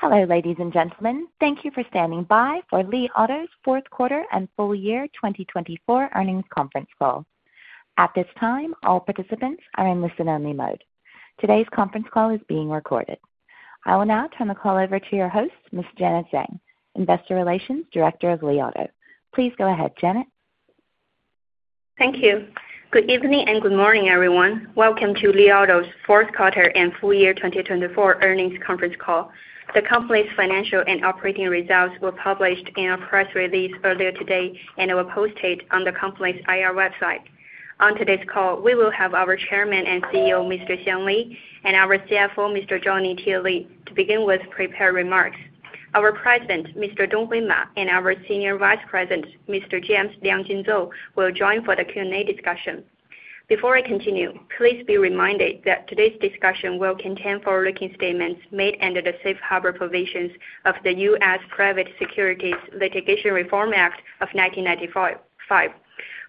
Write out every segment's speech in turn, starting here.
Hello, ladies and gentlemen. Thank you for standing by for Li Auto's fourth quarter and full year 2024 earnings conference call. At this time, all participants are in listen-only mode. Today's conference call is being recorded. I will now turn the call over to your host, Ms. Janet Zhang, Investor Relations Director of Li Auto. Please go ahead, Janet. Thank you. Good evening and good morning, everyone. Welcome to Li Auto's fourth quarter and full year 2024 earnings conference call. The company's financial and operating results were published in a press release earlier today and were posted on the company's IR website. On today's call, we will have our Chairman and CEO, Mr. Xiang Li, and our CFO, Mr. Johnny Tie Li, to begin with prepared remarks. Our President, Mr. Donghui Ma, and our Senior Vice President, Mr. James Liangjun Zou, will join for the Q&A discussion. Before I continue, please be reminded that today's discussion will contain forward-looking statements made under the safe harbor provisions of the U.S. Private Securities Litigation Reform Act of 1995.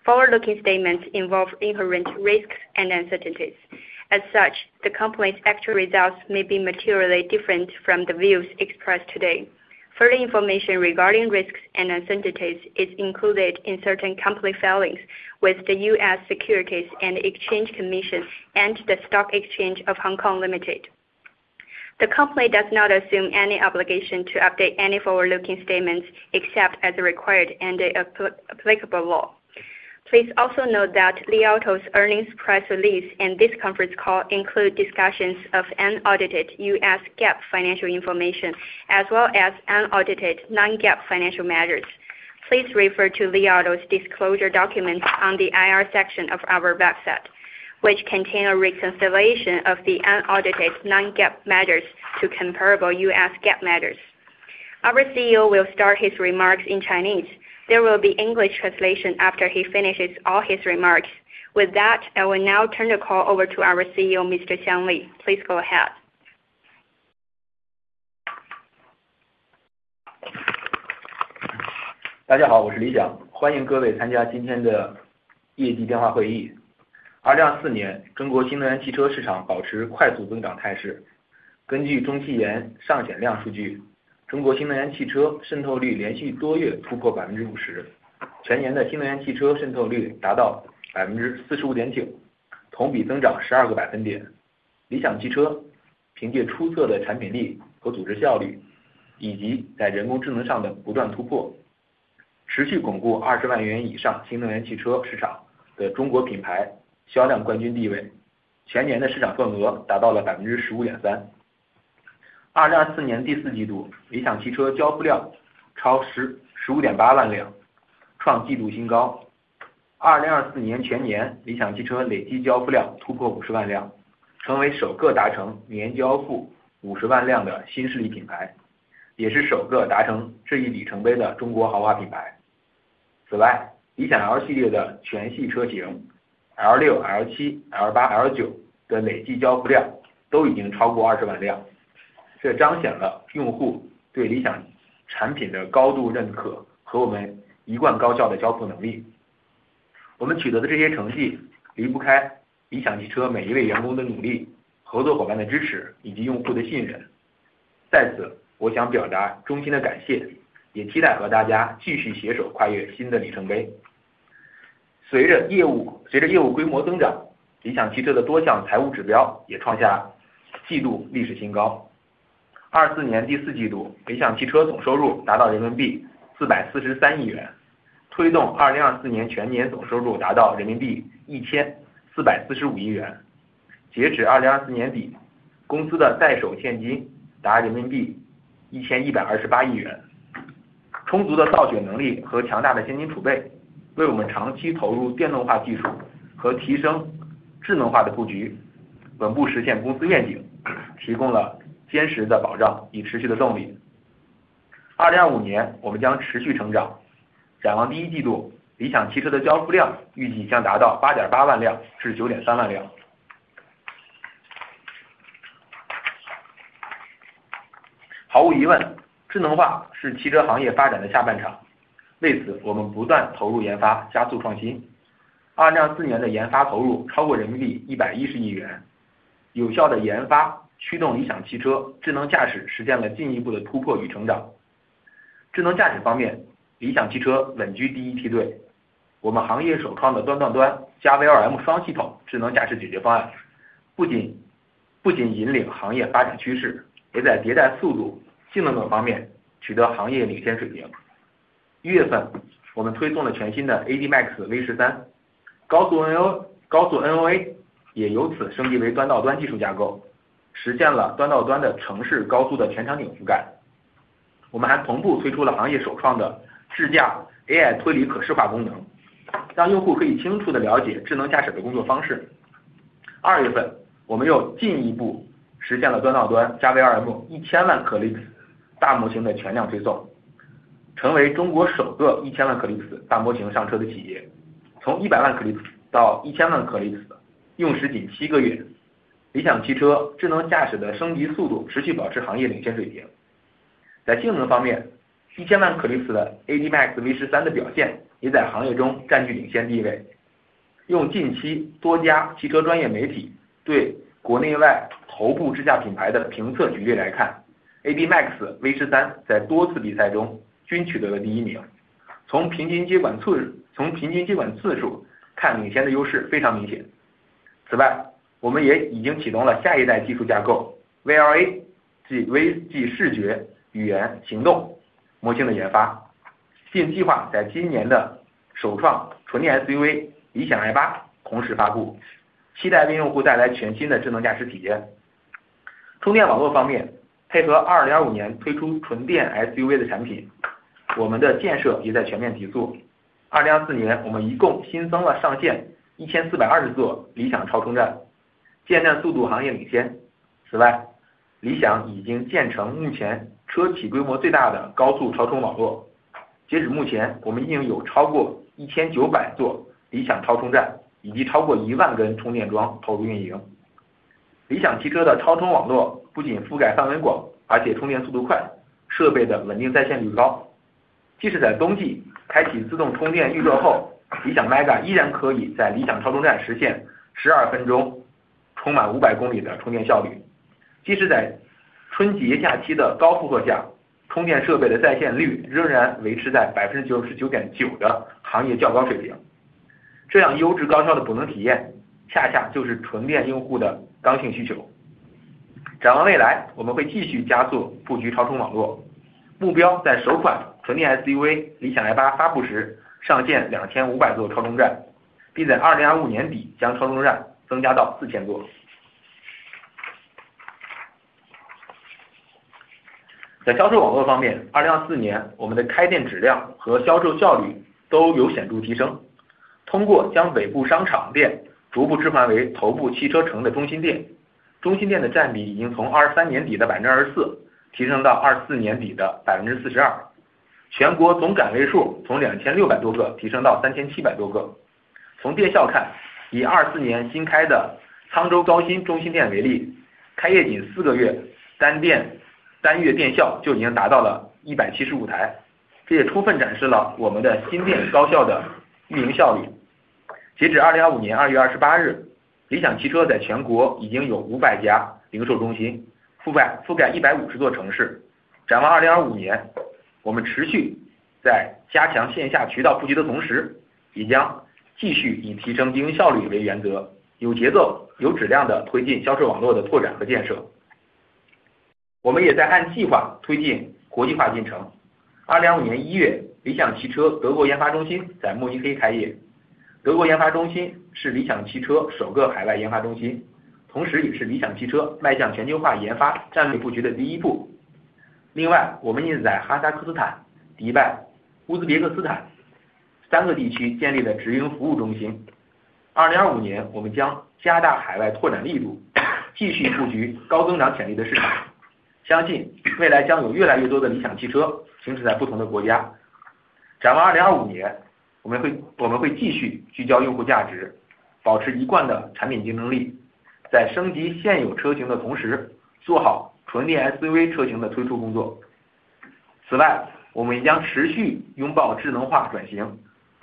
Forward-looking statements involve inherent risks and uncertainties. As such, the company's actual results may be materially different from the views expressed today. Further information regarding risks and uncertainties is included in certain company filings with the U.S. Securities and Exchange Commission and the Stock Exchange of Hong Kong, Limited. The company does not assume any obligation to update any forward-looking statements except as required under applicable law. Please also note that Li Auto's earnings press release and this conference call include discussions of unaudited U.S. GAAP financial information as well as unaudited non-GAAP financial measures. Please refer to Li Auto's disclosure documents on the IR section of our website, which contain a reconciliation of the unaudited non-GAAP measures to comparable U.S. GAAP measures. Our CEO will start his remarks in Chinese. There will be English translation after he finishes all his remarks. With that, I will now turn the call over to our CEO, Mr. Xiang Li. Please go ahead. 1000万颗粒子大模型的全量推送，成为中国首个1000万颗粒子大模型上车的企业。从100万颗粒子到1000万颗粒子，用时仅7个月，理想汽车智能驾驶的升级速度持续保持行业领先水平。在性能方面，1000万颗粒子的AD Max V13的表现也在行业中占据领先地位。用近期多家汽车专业媒体对国内外头部智驾品牌的评测举例来看，AD Max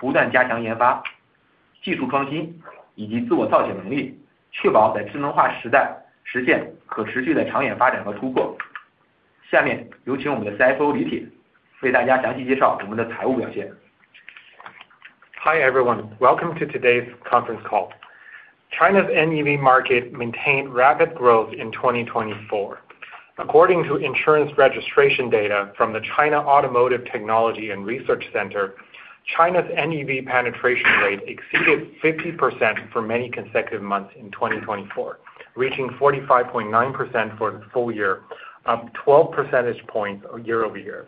Hi everyone, welcome to today's conference call. China's NEV market maintained rapid growth in 2024. According to insurance registration data from the China Automotive Technology and Research Center, China's NEV penetration rate exceeded 50% for many consecutive months in 2024, reaching 45.9% for the full year, up 12 percentage points year over year.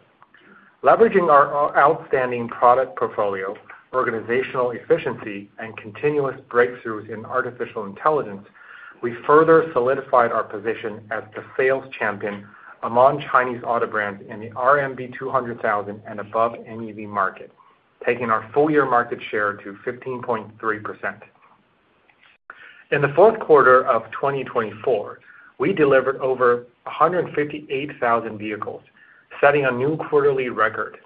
Leveraging our outstanding product portfolio, organizational efficiency, and continuous breakthroughs in artificial intelligence, we further solidified our position as the sales champion among Chinese auto brands in the RMB 200,000 and above NEV market, taking our full-year market share to 15.3%. In the fourth quarter of 2024, we delivered over 158,000 vehicles, setting a new quarterly record.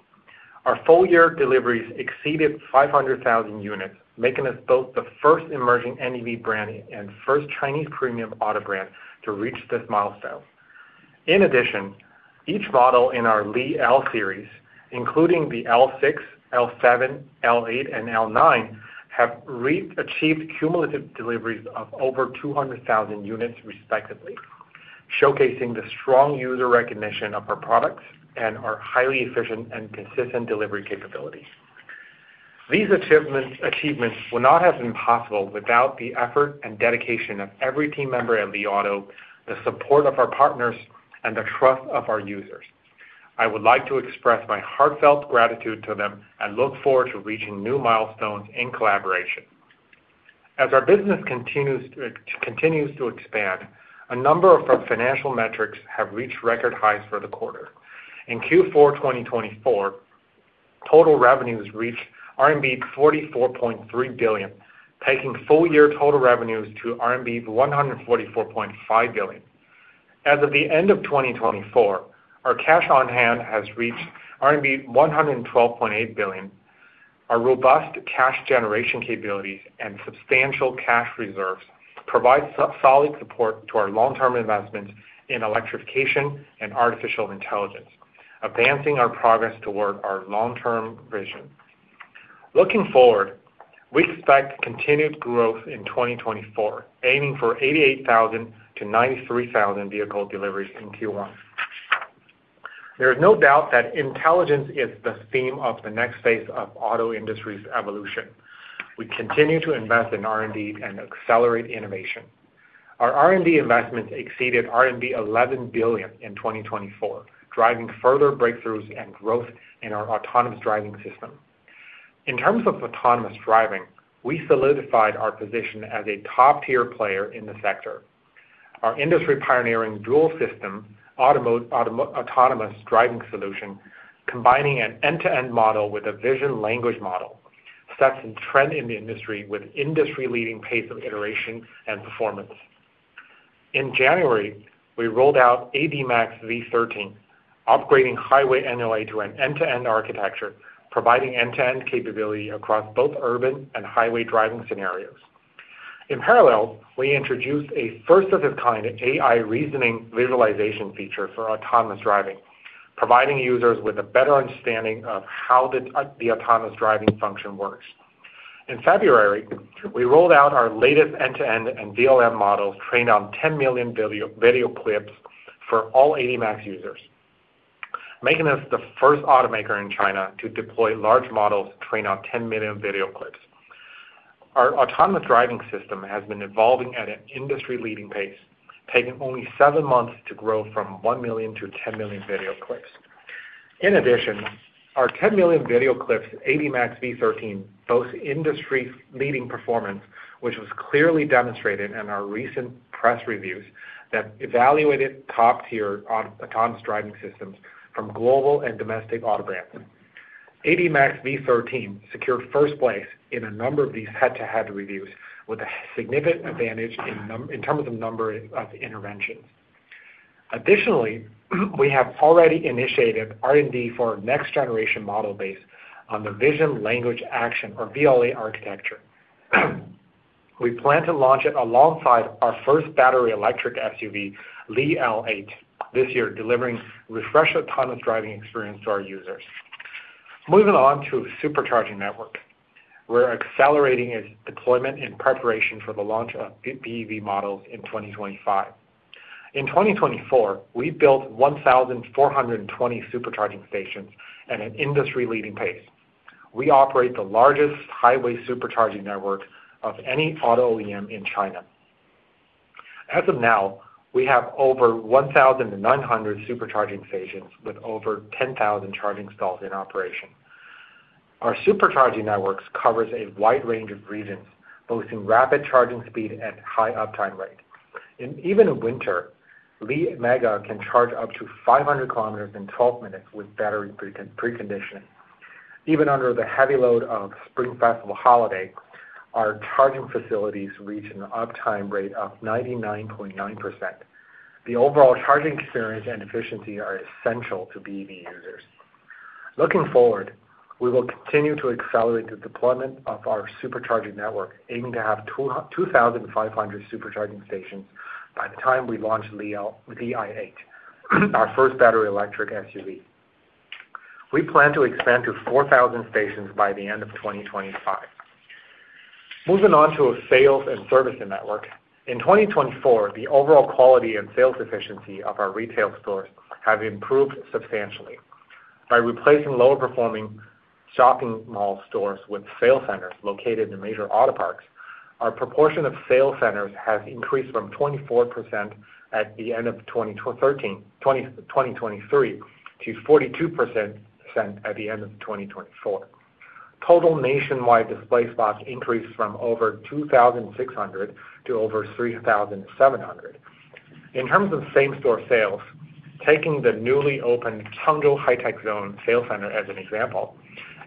Our full-year deliveries exceeded 500,000 units, making us both the first emerging NEV brand and first Chinese premium auto brand to reach this milestone. In addition, each model in our Li L series, including the L6, L7, L8, and L9, have achieved cumulative deliveries of over 200,000 units respectively, showcasing the strong user recognition of our products and our highly efficient and consistent delivery capability. These achievements would not have been possible without the effort and dedication of every team member at Li Auto, the support of our partners, and the trust of our users. I would like to express my heartfelt gratitude to them and look forward to reaching new milestones in collaboration. As our business continues to expand, a number of financial metrics have reached record highs for the quarter. In Q4 2024, total revenues reached RMB 44.3 billion, taking full-year total revenues to RMB 144.5 billion. As of the end of 2024, our cash on hand has reached RMB 112.8 billion. Our robust cash generation capabilities and substantial cash reserves provide solid support to our long-term investments in electrification and artificial intelligence, advancing our progress toward our long-term vision. Looking forward, we expect continued growth in 2024, aiming for 88,000-93,000 vehicle deliveries in Q1. There is no doubt that intelligence is the theme of the next phase of auto industry's evolution. We continue to invest in R&D and accelerate innovation. Our R&D investments exceeded RMB 11 billion in 2024, driving further breakthroughs and growth in our autonomous driving system. In terms of autonomous driving, we solidified our position as a top-tier player in the sector. Our industry-pioneering dual system autonomous driving solution, combining an end-to-end model with a vision language model, sets a trend in the industry with industry-leading pace of iteration and performance. In January, we rolled out AD Max V13, upgrading highway NLA to an end-to-end architecture, providing end-to-end capability across both urban and highway driving scenarios. In parallel, we introduced a first-of-its-kind AI reasoning visualization feature for autonomous driving, providing users with a better understanding of how the autonomous driving function works. In February, we rolled out our latest end-to-end and VLM models trained on 10 million video clips for all AD Max users, making us the first automaker in China to deploy large models trained on 10 million video clips. Our autonomous driving system has been evolving at an industry-leading pace, taking only seven months to grow from 1 million to 10 million video clips. In addition, our 10 million video clips AD Max V13 boasts industry-leading performance, which was clearly demonstrated in our recent press reviews that evaluated top-tier autonomous driving systems from global and domestic auto brands. AD Max V13 secured first place in a number of these head-to-head reviews with a significant advantage in terms of number of interventions. Additionally, we have already initiated R&D for our next-generation model based on the vision language action or VLA architecture. We plan to launch it alongside our first battery electric SUV, Li L8, this year delivering refreshed autonomous driving experience to our users. Moving on to supercharging network, we're accelerating its deployment in preparation for the launch of BEV models in 2025. In 2024, we built 1,420 supercharging stations at an industry-leading pace. We operate the largest highway supercharging network of any auto OEM in China. As of now, we have over 1,900 supercharging stations with over 10,000 charging stalls in operation. Our supercharging network covers a wide range of regions, boasting rapid charging speed and high uptime rate. In even winter, Li MEGA can charge up to 500 km in 12 minutes with battery preconditioning. Even under the heavy load of Spring Festival holiday, our charging facilities reach an uptime rate of 99.9%. The overall charging experience and efficiency are essential to BEV users. Looking forward, we will continue to accelerate the deployment of our supercharging network, aiming to have 2,500 supercharging stations by the time we launch Li I8, our first battery electric SUV. We plan to expand to 4,000 stations by the end of 2025. Moving on to sales and servicing network. In 2024, the overall quality and sales efficiency of our retail stores have improved substantially. By replacing lower-performing shopping mall stores with sales centers located in major auto parks, our proportion of sales centers has increased from 24% at the end of 2023 to 42% at the end of 2024. Total nationwide display spots increased from over 2,600 to over 3,700. In terms of same-store sales, taking the newly opened Chungju High-Tech Zone sales center as an example,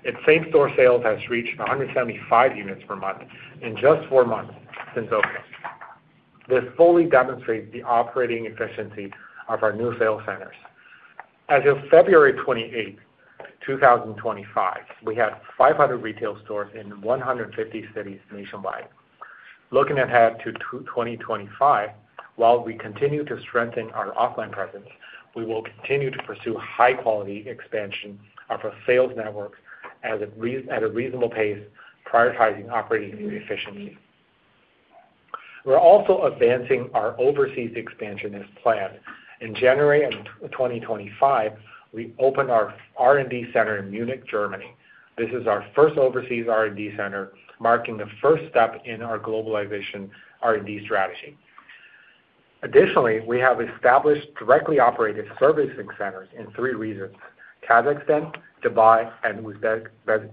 its same-store sales have reached 175 units per month in just four months since opening. This fully demonstrates the operating efficiency of our new sales centers. As of February 28, 2025, we had 500 retail stores in 150 cities nationwide. Looking ahead to 2025, while we continue to strengthen our offline presence, we will continue to pursue high-quality expansion of our sales network at a reasonable pace, prioritizing operating efficiency. We're also advancing our overseas expansion as planned. In January of 2025, we opened our R&D center in Munich, Germany. This is our first overseas R&D center, marking the first step in our globalization R&D strategy. Additionally, we have established directly operated servicing centers in three regions: Kazakhstan, Dubai, and Uzbekistan.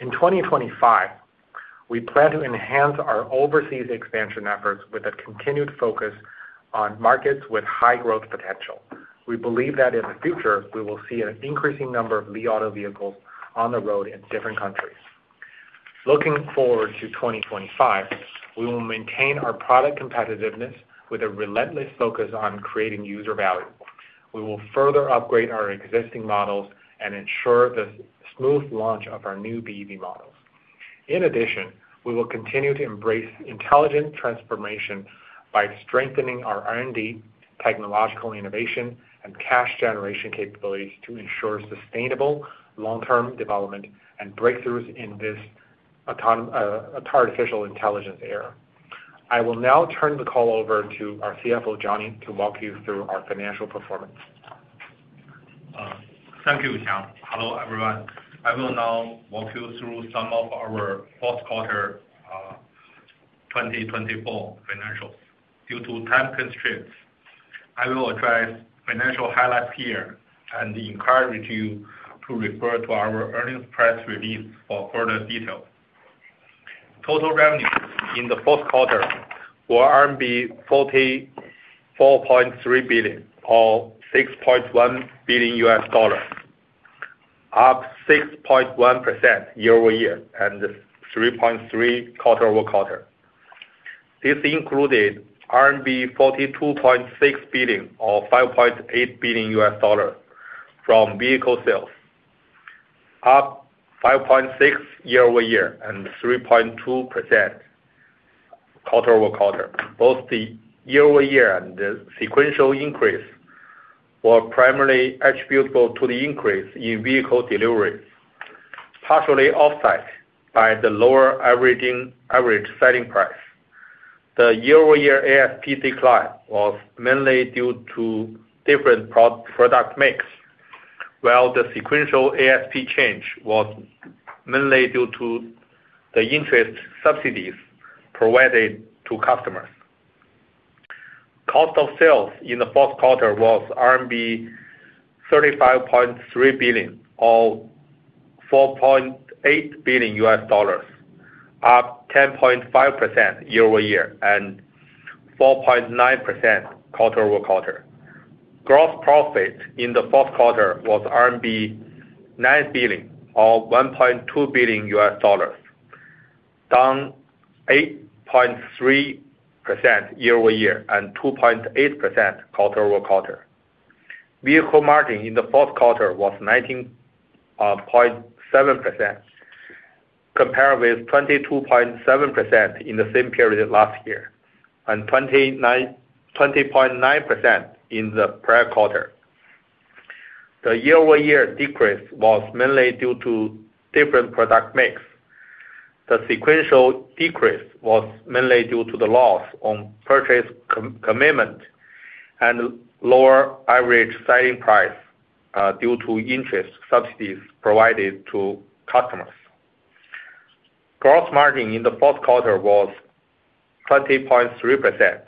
In 2025, we plan to enhance our overseas expansion efforts with a continued focus on markets with high growth potential. We believe that in the future, we will see an increasing number of Li Auto vehicles on the road in different countries. Looking forward to 2025, we will maintain our product competitiveness with a relentless focus on creating user value. We will further upgrade our existing models and ensure the smooth launch of our new BEV models. In addition, we will continue to embrace intelligent transformation by strengthening our R&D, technological innovation, and cash generation capabilities to ensure sustainable long-term development and breakthroughs in this artificial intelligence era. I will now turn the call over to our CFO, Johnny, to walk you through our financial performance. Thank you, Xiang. Hello everyone. I will now walk you through some of our fourth quarter 2024 financials. Due to time constraints, I will address financial highlights here and encourage you to refer to our earnings press release for further details. Total revenue in the fourth quarter was 44.3 billion or $6.1 billion, up 6.1% year over year and 3.3% quarter over quarter. This included RMB 42.6 billion or $5.8 billion from vehicle sales, up 5.6% year over year and 3.2% quarter over quarter. Both the year over year and the sequential increase were primarily attributable to the increase in vehicle delivery, partially offset by the lower average selling price. The year-over-year ASP decline was mainly due to different product mix, while the sequential ASP change was mainly due to the interest subsidies provided to customers. Cost of sales in the fourth quarter was RMB 35.3 billion or $4.8 billion, up 10.5% year over year and 4.9% quarter over quarter. Gross profit in the fourth quarter was RMB 9 billion or $1.2 billion, down 8.3% year over year and 2.8% quarter over quarter. Vehicle margin in the fourth quarter was 19.7%, compared with 22.7% in the same period last year and 20.9% in the prior quarter. The year-over-year decrease was mainly due to different product mix. The sequential decrease was mainly due to the loss on purchase commitment and lower average selling price due to interest subsidies provided to customers. Gross margin in the fourth quarter was 20.3%,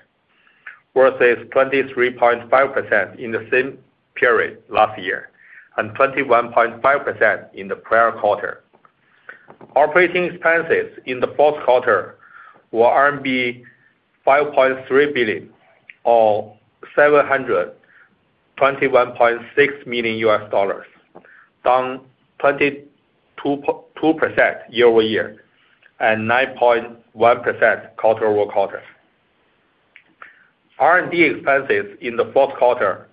versus 23.5% in the same period last year and 21.5% in the prior quarter. Operating expenses in the fourth quarter were 5.3 billion or $721.6 million, down 22% year over year and 9.1% quarter over quarter. R&D expenses in the fourth quarter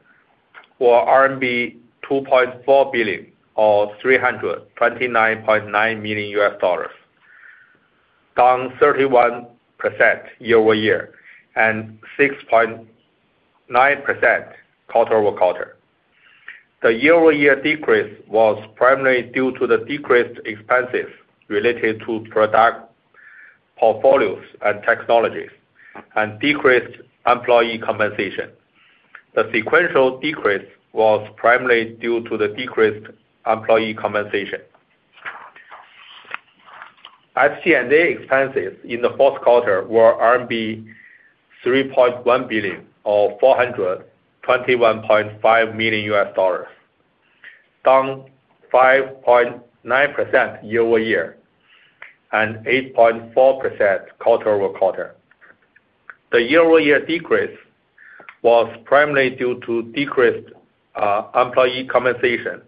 were RMB 2.4 billion or $329.9 million, down 31% year over year and 6.9% quarter over quarter. The year-over-year decrease was primarily due to the decreased expenses related to product portfolios and technologies and decreased employee compensation. The sequential decrease was primarily due to the decreased employee compensation. Selling and general administrative expenses in the fourth quarter were RMB 3.1 billion or $421.5 million, down 5.9% year over year and 8.4% quarter over quarter. The year-over-year decrease was primarily due to decreased employee compensation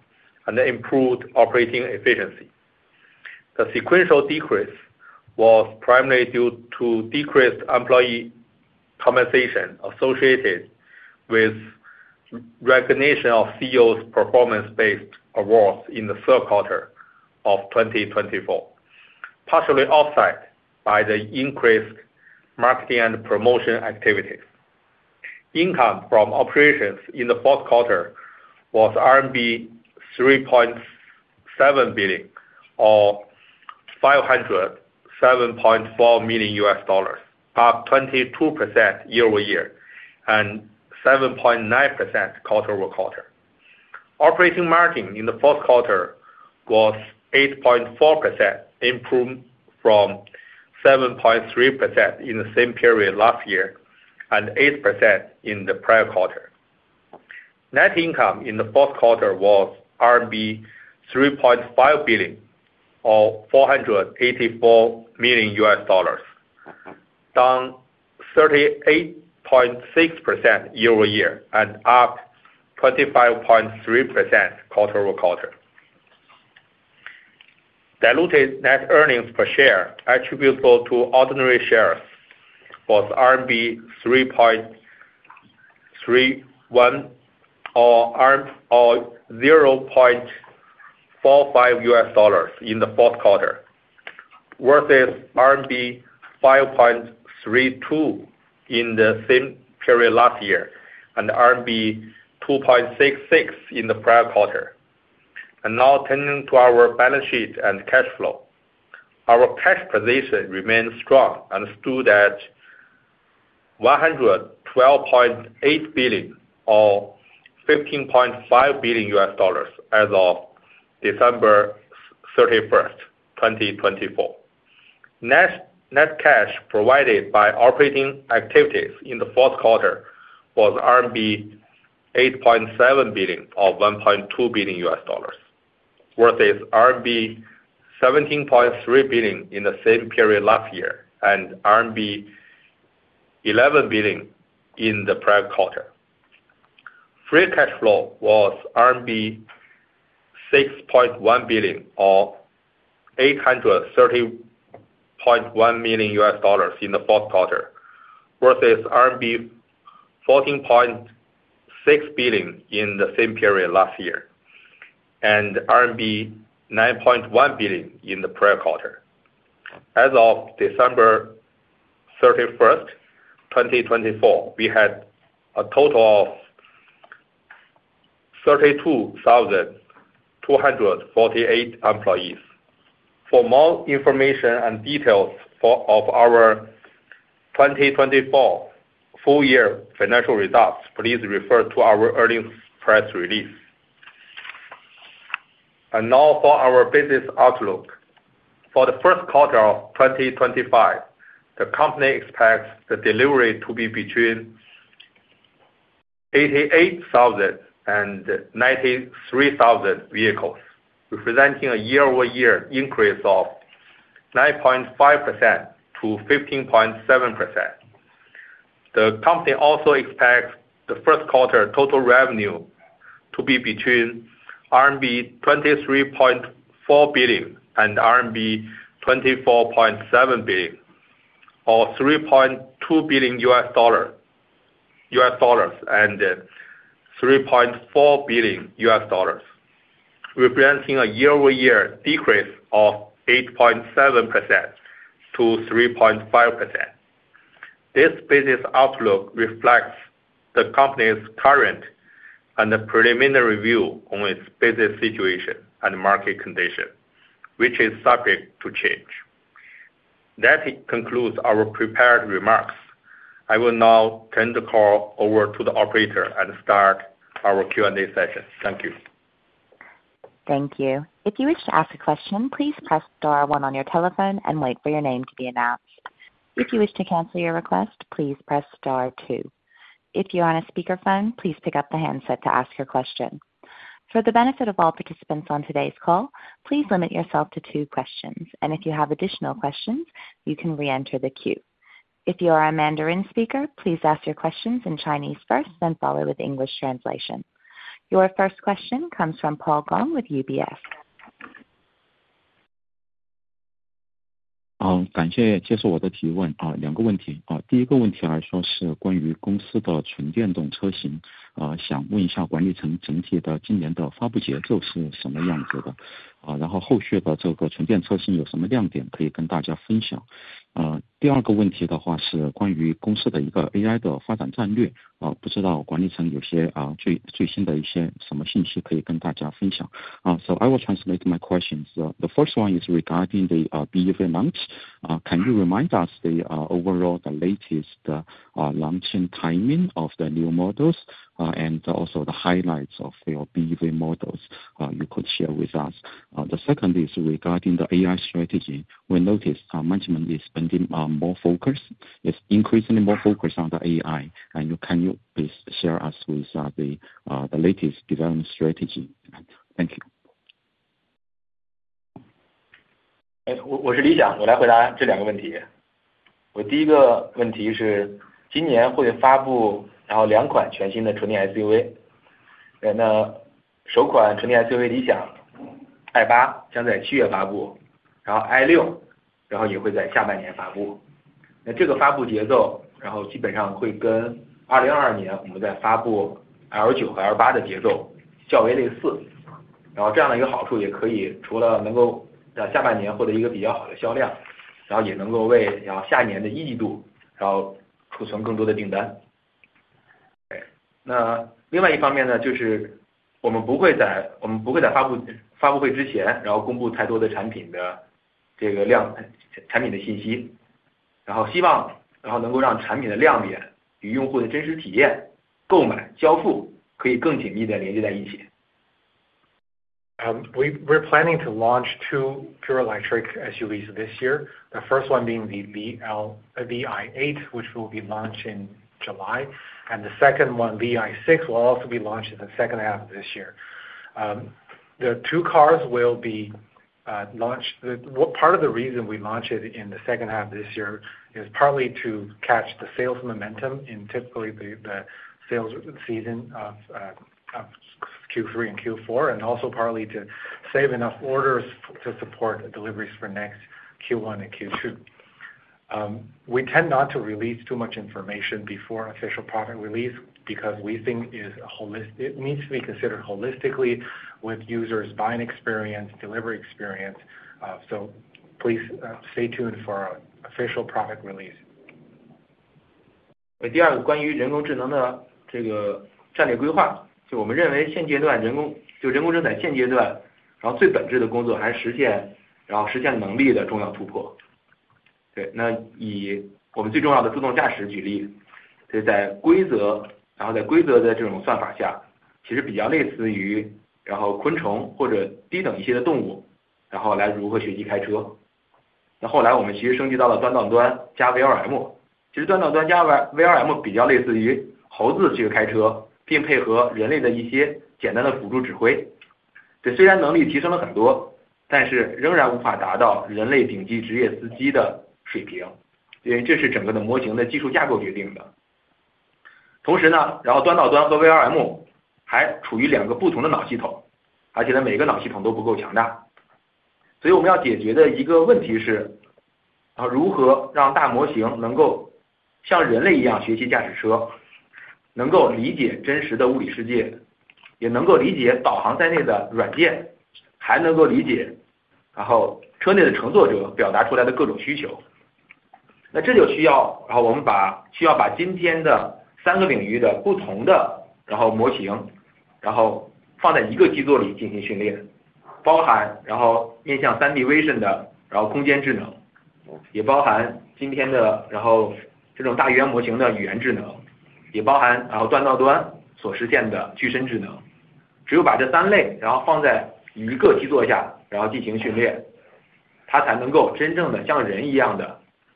and improved operating efficiency. The sequential decrease was primarily due to decreased employee compensation associated with recognition of CEOs' performance-based awards in the third quarter of 2024, partially offset by the increased marketing and promotion activities. Income from operations in the fourth quarter was RMB 3.7 billion or $507.4 million, up 22% year over year and 7.9% quarter over quarter. Operating margin in the fourth quarter was 8.4%, improved from 7.3% in the same period last year and 8% in the prior quarter. Net income in the fourth quarter was RMB 3.5 billion or $484 million, down 38.6% year over year and up 25.3% quarter over quarter. Diluted net earnings per share attributable to ordinary shares was RMB 3.31 or $0.45 in the fourth quarter, versus RMB 5.32 in the same period last year and RMB 2.66 in the prior quarter. Now turning to our balance sheet and cash flow, our cash position remains strong and stood at RMB 112.8 billion or $15.5 billion as of December 31, 2024. Net cash provided by operating activities in the fourth quarter was RMB 8.7 billion or $1.2 billion, versus RMB 17.3 billion in the same period last year and RMB 11 billion in the prior quarter. Free cash flow was RMB 6.1 billion or $830.1 million in the fourth quarter, versus RMB 14.6 billion in the same period last year and RMB 9.1 billion in the prior quarter. As of December 31, 2024, we had a total of 32,248 employees. For more information and details of our 2024 full year financial results, please refer to our earnings press release. Now for our business outlook. For the first quarter of 2025, the company expects the delivery to be between 88,000 and 93,000 vehicles, representing a year-over-year increase of 9.5%-15.7%. The company also expects the first quarter total revenue to be between RMB 23.4 billion and RMB 24.7 billion, or $3.2 billion and $3.4 billion, representing a year-over-year decrease of 8.7%-3.5%. This business outlook reflects the company's current and preliminary view on its business situation and market condition, which is subject to change. That concludes our prepared remarks. I will now turn the call over to the operator and start our Q&A session. Thank you. Thank you. If you wish to ask a question, please press star one on your telephone and wait for your name to be announced. If you wish to cancel your request, please press star two. If you are on a speakerphone, please pick up the handset to ask your question. For the benefit of all participants on today's call, please limit yourself to two questions. If you have additional questions, you can re-enter the queue. If you are a Mandarin speaker, please ask your questions in Chinese first, then follow with English translation. Your first question comes from Paul Gong with UBS. 感谢接受我的提问。两个问题。第一个问题来说是关于公司的纯电动车型，想问一下管理层整体的今年的发布节奏是什么样子的，然后后续的纯电车型有什么亮点可以跟大家分享。第二个问题的话是关于公司的一个AI的发展战略，不知道管理层有些最新的一些什么信息可以跟大家分享。I will translate my questions. The first one is regarding the BEV months. Can you remind us the overall latest launching timing of the new models and also the highlights of your BEV models you could share with us? The second is regarding the AI strategy. We noticed management is spending more focus, increasingly more focus on the AI. Can you please share us with the latest development strategy? Thank you. 我是李想。我来回答这两个问题。我第一个问题是，今年会发布两款全新的纯电SUV。首款纯电SUV李想 We're planning to launch two pure electric SUVs this year, the first one being the Li I8, which will be launched in July, and the second one, Li I6, will also be launched in the second half of this year. The two cars will be launched. Part of the reason we launch it in the second half of this year is partly to catch the sales momentum in typically the sales season of Q3 and Q4, and also partly to save enough orders to support deliveries for next Q1 and Q2. We tend not to release too much information before official product release because we think it needs to be considered holistically with users' buying experience, delivery experience. Please stay tuned for official product release.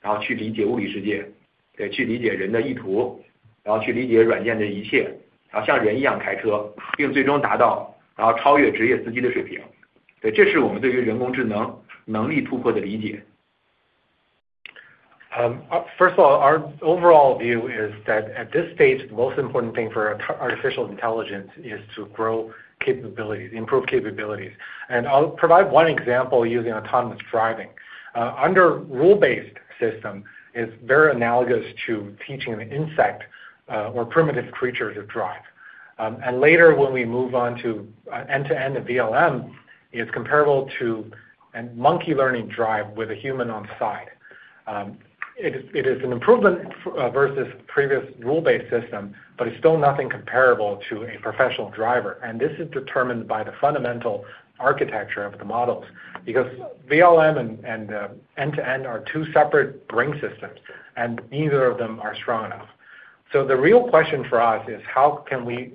First of all, our overall view is that at this stage, the most important thing for artificial intelligence is to improve capabilities. I'll provide one example using autonomous driving. Under rule-based system, it's very analogous to teaching an insect or primitive creature to drive. Later when we move on to end-to-end VLM, it's comparable to a monkey learning drive with a human on the side. It is an improvement versus previous rule-based system, but it's still nothing comparable to a professional driver. This is determined by the fundamental architecture of the models. Because VLM and end-to-end are two separate brain systems, and neither of them are strong enough. The real question for us is, how can we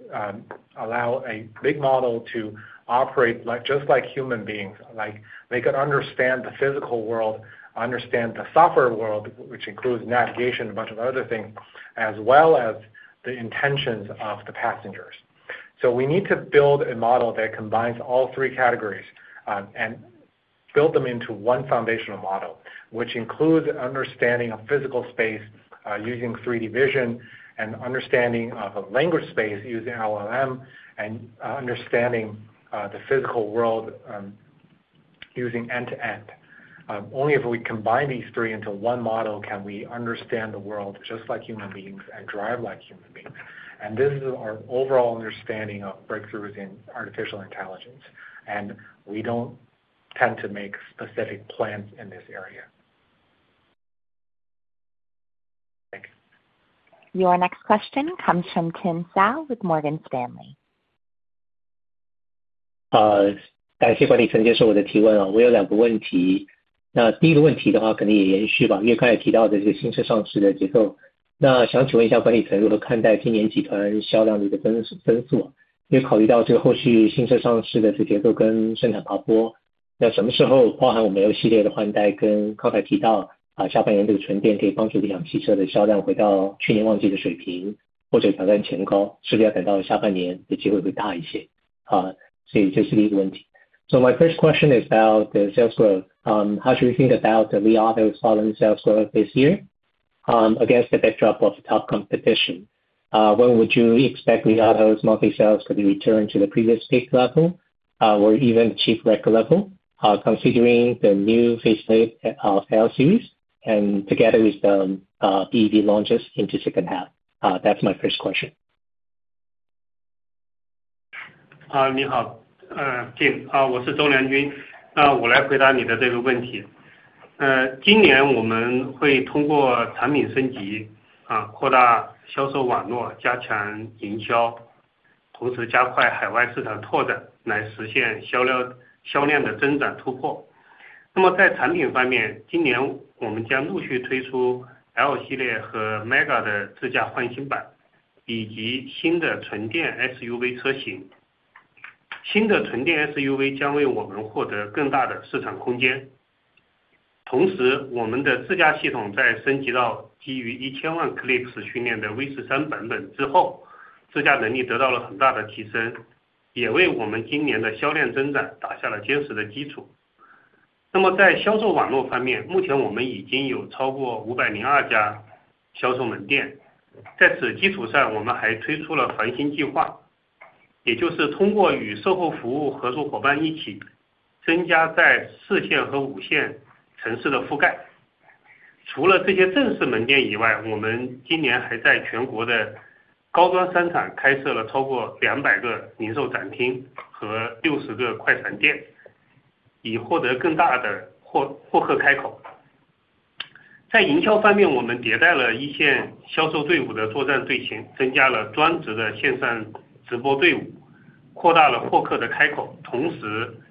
allow a big model to operate just like human beings, like they can understand the physical world, understand the software world, which includes navigation and a bunch of other things, as well as the intentions of the passengers? We need to build a model that combines all three categories and build them into one foundational model, which includes understanding of physical space using 3D vision and understanding of a language space using LLM and understanding the physical world using end-to-end. Only if we combine these three into one model can we understand the world just like human beings and drive like human beings. This is our overall understanding of breakthroughs in artificial intelligence. We do not tend to make specific plans in this area. Thank you. Your next question comes from Tim Zhou with Morgan Stanley. 感谢管理层接受我的提问。我有两个问题。第一个问题的话可能也延续，因为刚才提到的新车上市的节奏。想请问一下管理层如何看待今年集团销量的一个增速？因为考虑到后续新车上市的节奏跟生产爬坡，什么时候包含我们L系列的换代跟刚才提到下半年纯电可以帮助理想汽车的销量回到去年旺季的水平，或者挑战前高，是不是要等到下半年的机会会大一些？所以这是一个问题。My first question is about the sales growth. How do you think about Li Auto's following sales growth this year against the backdrop of tough competition? When would you expect Li Auto's multi-sales to return to the previous peak level or even the chief record level, considering the new facelift L series and together with the EV launches into second half? That's my first question. 你好，Tim。我是周良军。我来回答你的问题。今年我们会通过产品升级，扩大销售网络，加强营销，同时加快海外市场拓展来实现销量的增长突破。那么在产品方面，今年我们将陆续推出L系列和MAGA的自驾焕新版，以及新的纯电SUV车型。新的纯电SUV将为我们获得更大的市场空间。同时，我们的自驾系统在升级到基于1000万CLIPS训练的V13版本之后，自驾能力得到了很大的提升，也为我们今年的销量增长打下了坚实的基础。那么在销售网络方面，目前我们已经有超过502家销售门店。在此基础上，我们还推出了焕新计划，也就是通过与售后服务合作伙伴一起增加在四线和五线城市的覆盖。除了这些正式门店以外，我们今年还在全国的高端商场开设了超过200个零售展厅和60个快闪店，以获得更大的获客开口。在营销方面，我们迭代了一线销售队伍的作战队形，增加了专职的线上直播队伍，扩大了获客的开口。同时，我们通过专职的DCC，也就是呼叫中心人员的配置，提高了我们的转化效率。那么更重要的一点是在海外市场方面，海外市场我们现在也在按照规划推进，目前在中亚、亚太等市场都取得了非常不错的阶段性进展。我们也会继续增加在拉美、中东、欧洲市场的投入。我们在海外市场的授权经销商工作也已经逐步开展。通过一批高质量、有经验的授权经销商的加入，我们有信心今年能够在海外市场获得一个不错的市场增量。那么依托技术迭代带来的产品竞争力的提升，以及灵活精准的市场策略和渠道扩张，总体上我对公司今年的销量增长充满了信心。谢谢。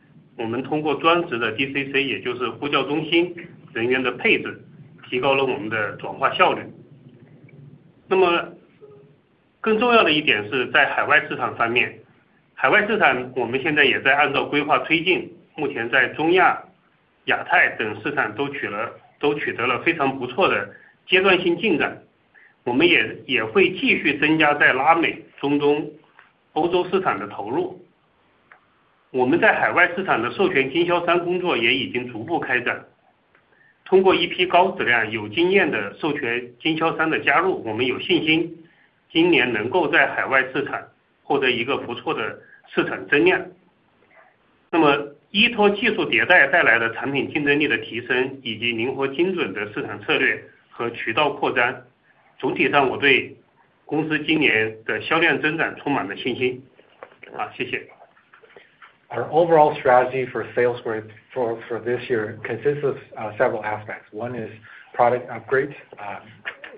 Our overall strategy for sales growth for this year consists of several aspects. One is product upgrades,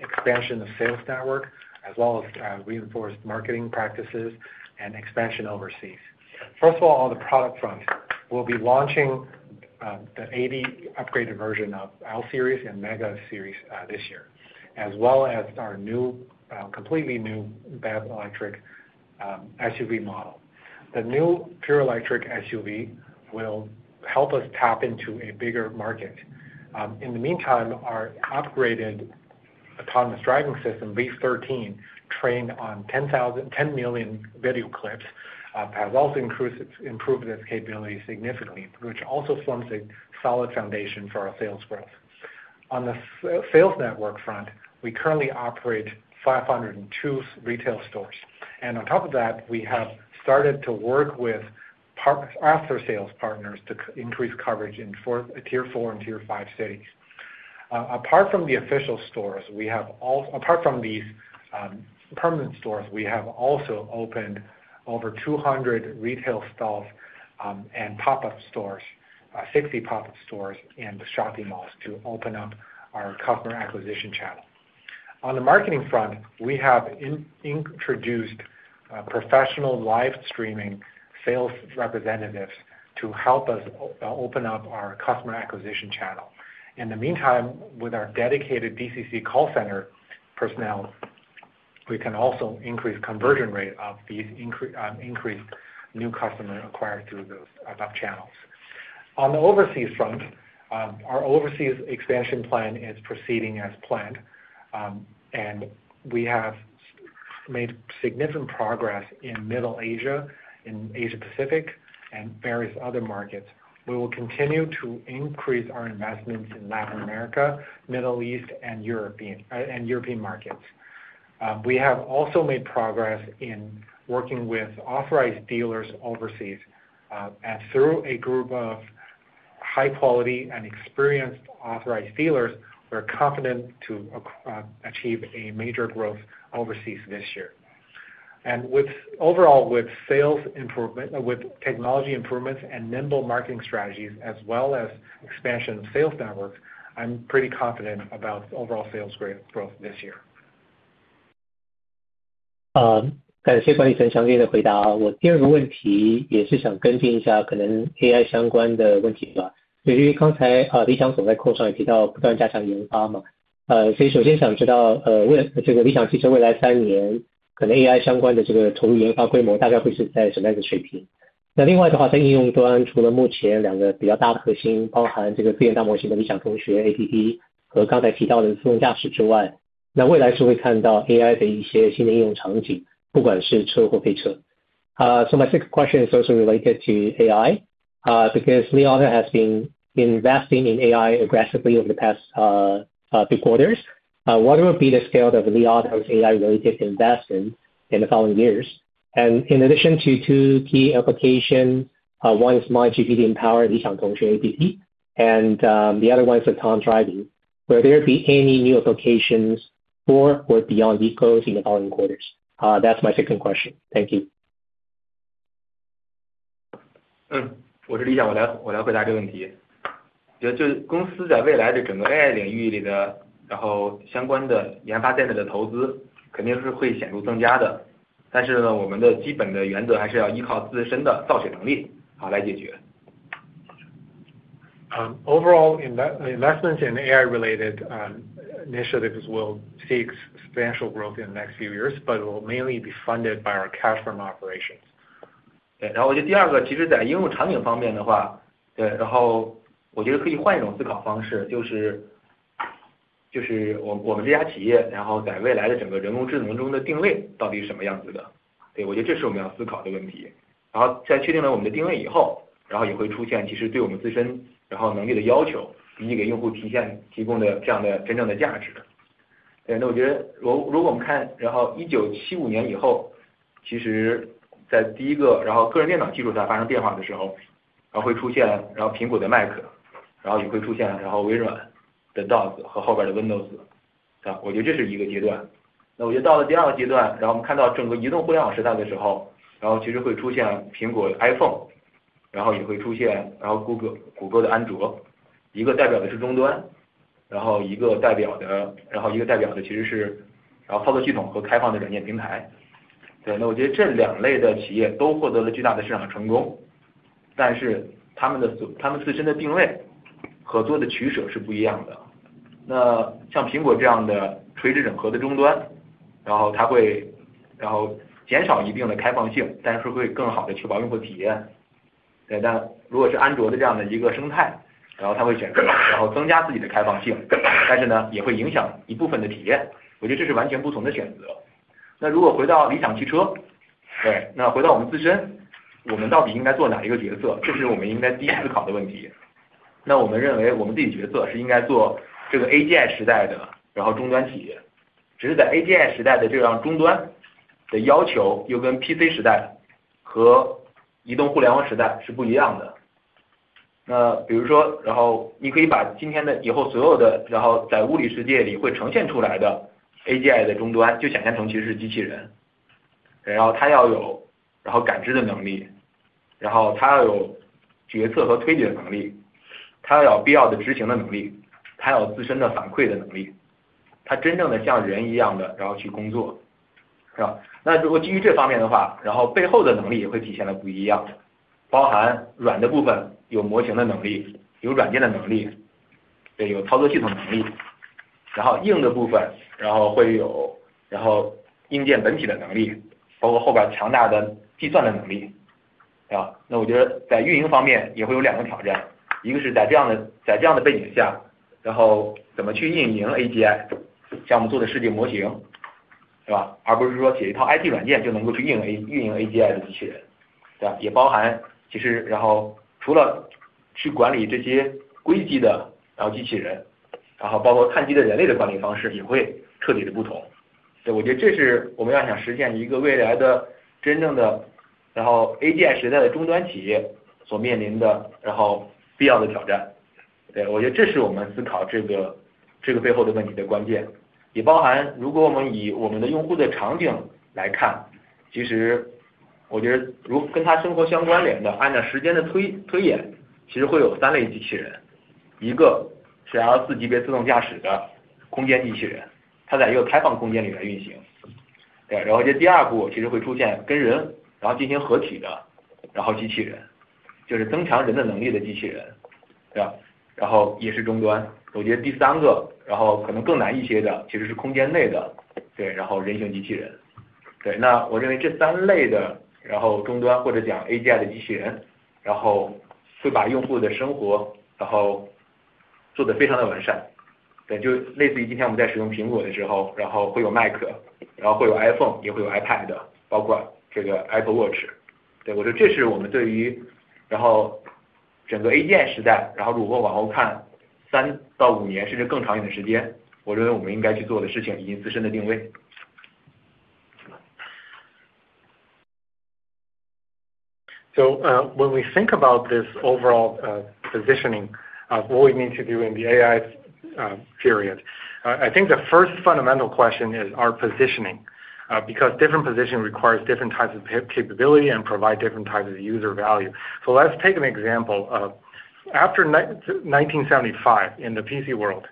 expansion of sales network, as well as reinforced marketing practices and expansion overseas. First of all, on the product front, we'll be launching the AD upgraded version of L series and MEGA series this year, as well as our completely new battery electric SUV model. The new pure electric SUV will help us tap into a bigger market. In the meantime, our upgraded autonomous driving system, AD Max V13, trained on 10 million video clips, has also improved its capability significantly, which also forms a solid foundation for our sales growth. On the sales network front, we currently operate 502 retail stores. On top of that, we have started to work with after-sales partners to increase coverage in tier four and tier five cities. Apart from the official stores, we have also opened over 200 retail stalls and pop-up stores, 60 pop-up stores in shopping malls to open up our customer acquisition channel. On the marketing front, we have introduced professional live streaming sales representatives to help us open up our customer acquisition channel. In the meantime, with our dedicated DCC call center personnel, we can also increase the conversion rate of these increased new customers acquired through those channels. On the overseas front, our overseas expansion plan is proceeding as planned, and we have made significant progress in Middle Asia, in Asia Pacific, and various other markets. We will continue to increase our investments in Latin America, Middle East, and European markets. We have also made progress in working with authorized dealers overseas. Through a group of high-quality and experienced authorized dealers, we're confident to achieve a major growth overseas this year. Overall, with technology improvements and nimble marketing strategies, as well as expansion of sales networks, I'm pretty confident about overall sales growth this year. 感谢管理层详细的回答。我第二个问题也是想跟进一下可能AI相关的问题。因为刚才李想总在口上也提到不断加强研发。所以首先想知道理想汽车未来三年可能AI相关的投入研发规模大概会是在什么样的水平。另外的话，在应用端，除了目前两个比较大的核心，包含自研大模型的理想同学APP和刚才提到的自动驾驶之外，未来是会看到AI的一些新的应用场景，不管是车或飞车。My question is also related to AI, because Li Auto has been investing in AI aggressively over the past three quarters. What will be the scale of Li Auto's AI-related investment in the following years? In addition to two key applications, one is MyGPT Empower Li Xiang Tong Xue APP, and the other one is Autonomous Driving. Will there be any new applications for or beyond vehicles in the following quarters? That's my second question. Thank you. 我是李想。我来回答这个问题。公司在未来的整个AI领域里的相关的研发在内的投资肯定是会显著增加的。但是我们的基本的原则还是要依靠自身的造血能力来解决。Overall, investments in AI-related initiatives will seek substantial growth in the next few years, but will mainly be funded by our cash from operations. Watch。我觉得这是我们对于整个AGI时代，如果往后看三到五年甚至更长一点的时间，我认为我们应该去做的事情以及自身的定位。When we think about this overall positioning of what we need to do in the AI period, I think the first fundamental question is our positioning, because different positioning requires different types of capability and provides different types of user value. Let's take an example of after 1975 in the PC world,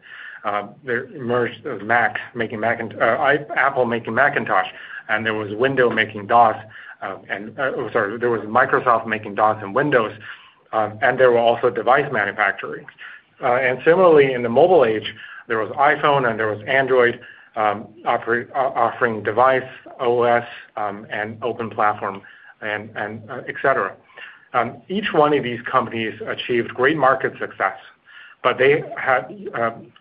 there emerged Apple making Macintosh, and there was Microsoft making DOS and Windows, and there were also device manufacturers. Similarly, in the mobile age, there was iPhone and there was Android offering device OS and open platform, etc. Each one of these companies achieved great market success, but they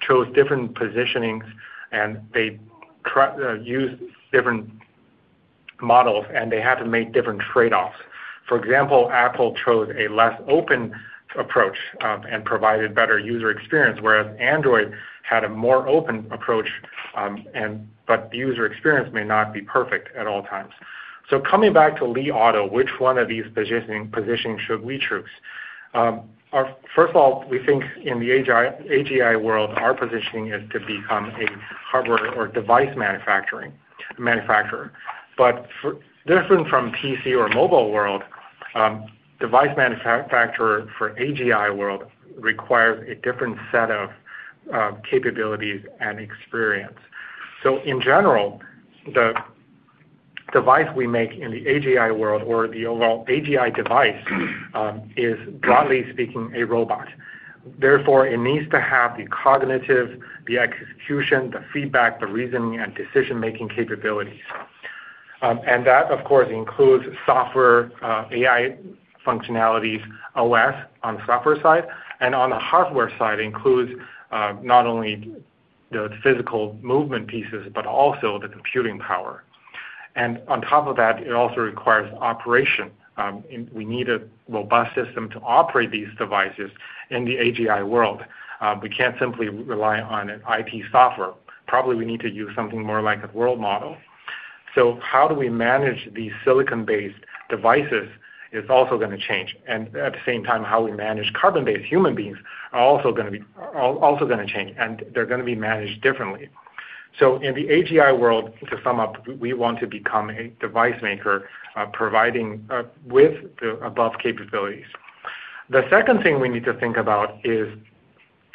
chose different positionings and they used different models, and they had to make different trade-offs. For example, Apple chose a less open approach and provided better user experience, whereas Android had a more open approach, but user experience may not be perfect at all times. Coming back to Li Auto, which one of these positionings should we choose? First of all, we think in the AGI world, our positioning is to become a hardware or device manufacturer. Different from the PC or mobile world, device manufacturer for the AGI world requires a different set of capabilities and experience. In general, the device we make in the AGI world or the overall AGI device is, broadly speaking, a robot. Therefore, it needs to have the cognitive, the execution, the feedback, the reasoning, and decision-making capabilities. That, of course, includes software, AI functionalities, OS on the software side, and on the hardware side, it includes not only the physical movement pieces, but also the computing power. On top of that, it also requires operation. We need a robust system to operate these devices in the AGI world. We cannot simply rely on an IT software. Probably we need to use something more like a world model. How we manage these silicon-based devices is also going to change. At the same time, how we manage carbon-based human beings is also going to change, and they are going to be managed differently. In the AGI world, to sum up, we want to become a device maker providing the above capabilities. The second thing we need to think about is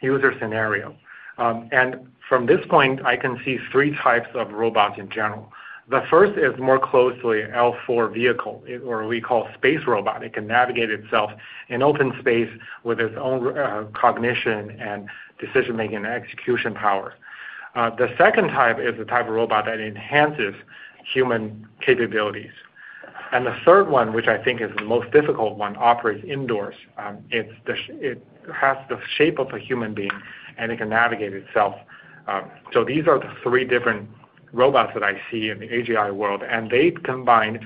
user scenario. From this point, I can see three types of robots in general. The first is more closely L4 vehicle, or we call space robot. It can navigate itself in open space with its own cognition and decision-making and execution powers. The second type is the type of robot that enhances human capabilities. The third one, which I think is the most difficult one, operates indoors. It has the shape of a human being, and it can navigate itself. These are the three different robots that I see in the AGI world, and they combined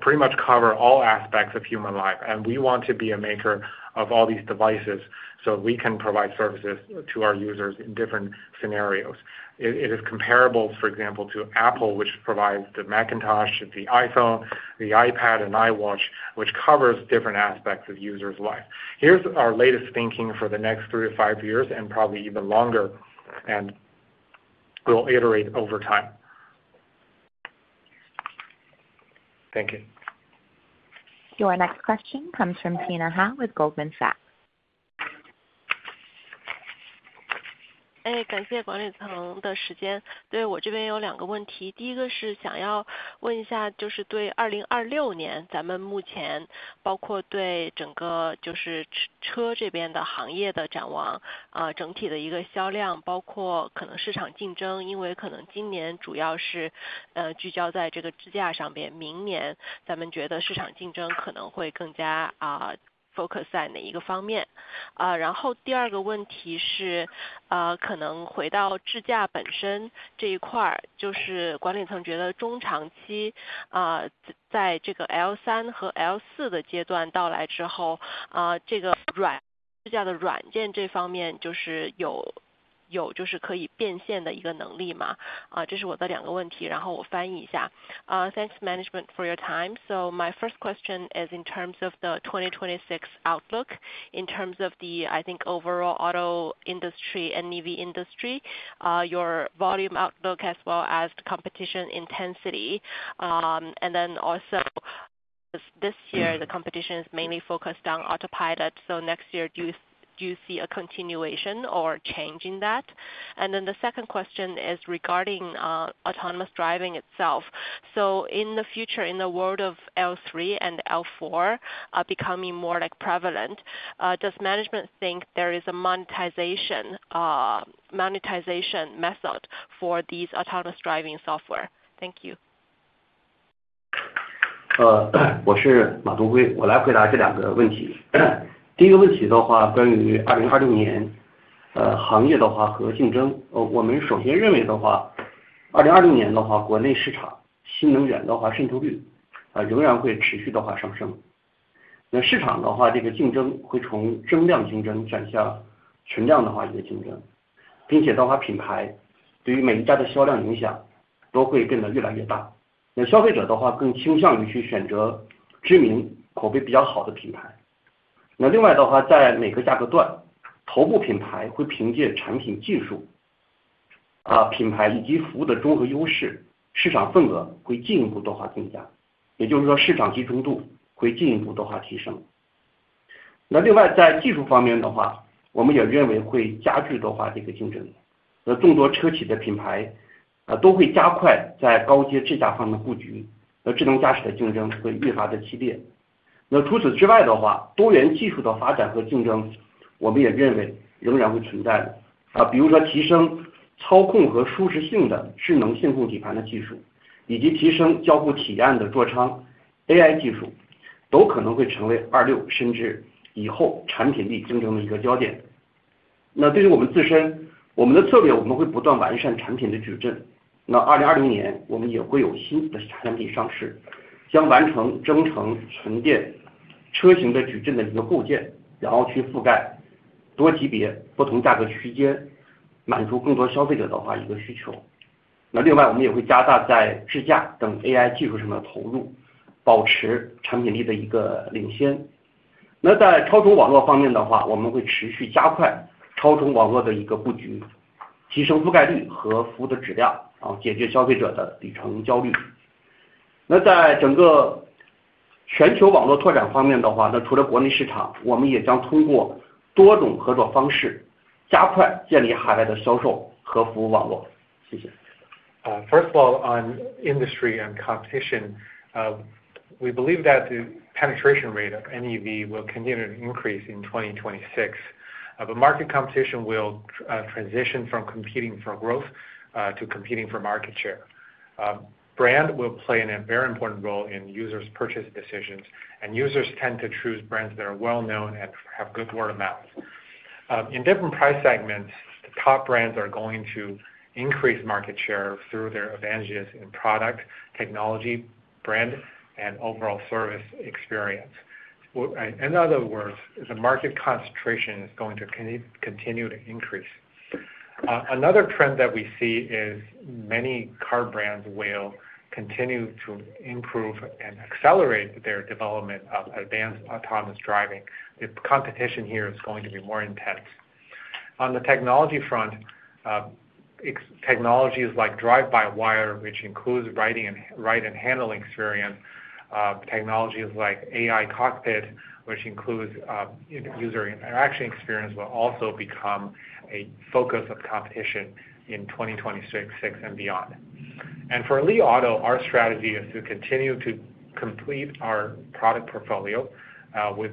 pretty much cover all aspects of human life. We want to be a maker of all these devices so we can provide services to our users in different scenarios. It is comparable, for example, to Apple, which provides the Macintosh, the iPhone, the iPad, and iWatch, which covers different aspects of users' life. Here's our latest thinking for the next three to five years and probably even longer, and we'll iterate over time. Thank you. Your next question comes from Tina Hao with Goldman Sachs. Thanks, Management, for your time. My first question is in terms of the 2026 outlook, in terms of the, I think, overall auto industry and EV industry, your volume outlook as well as competition intensity. This year, the competition is mainly focused on autopilot. Next year, do you see a continuation or change in that? The second question is regarding autonomous driving itself. In the future, in the world of L3 and L4 becoming more prevalent, does management think there is a monetization method for these autonomous driving software? Thank you. First of all, on industry and competition, we believe that the penetration rate of NEV will continue to increase in 2026. Market competition will transition from competing for growth to competing for market share. Brand will play a very important role in users' purchase decisions, and users tend to choose brands that are well-known and have good word of mouth. In different price segments, the top brands are going to increase market share through their advantages in product, technology, brand, and overall service experience. In other words, the market concentration is going to continue to increase. Another trend that we see is many car brands will continue to improve and accelerate their development of advanced autonomous driving. The competition here is going to be more intense. On the technology front, technologies like drive-by-wire, which includes writing and handling experience, technologies like AI cockpit, which includes user interaction experience, will also become a focus of competition in 2026 and beyond. For Li Auto, our strategy is to continue to complete our product portfolio with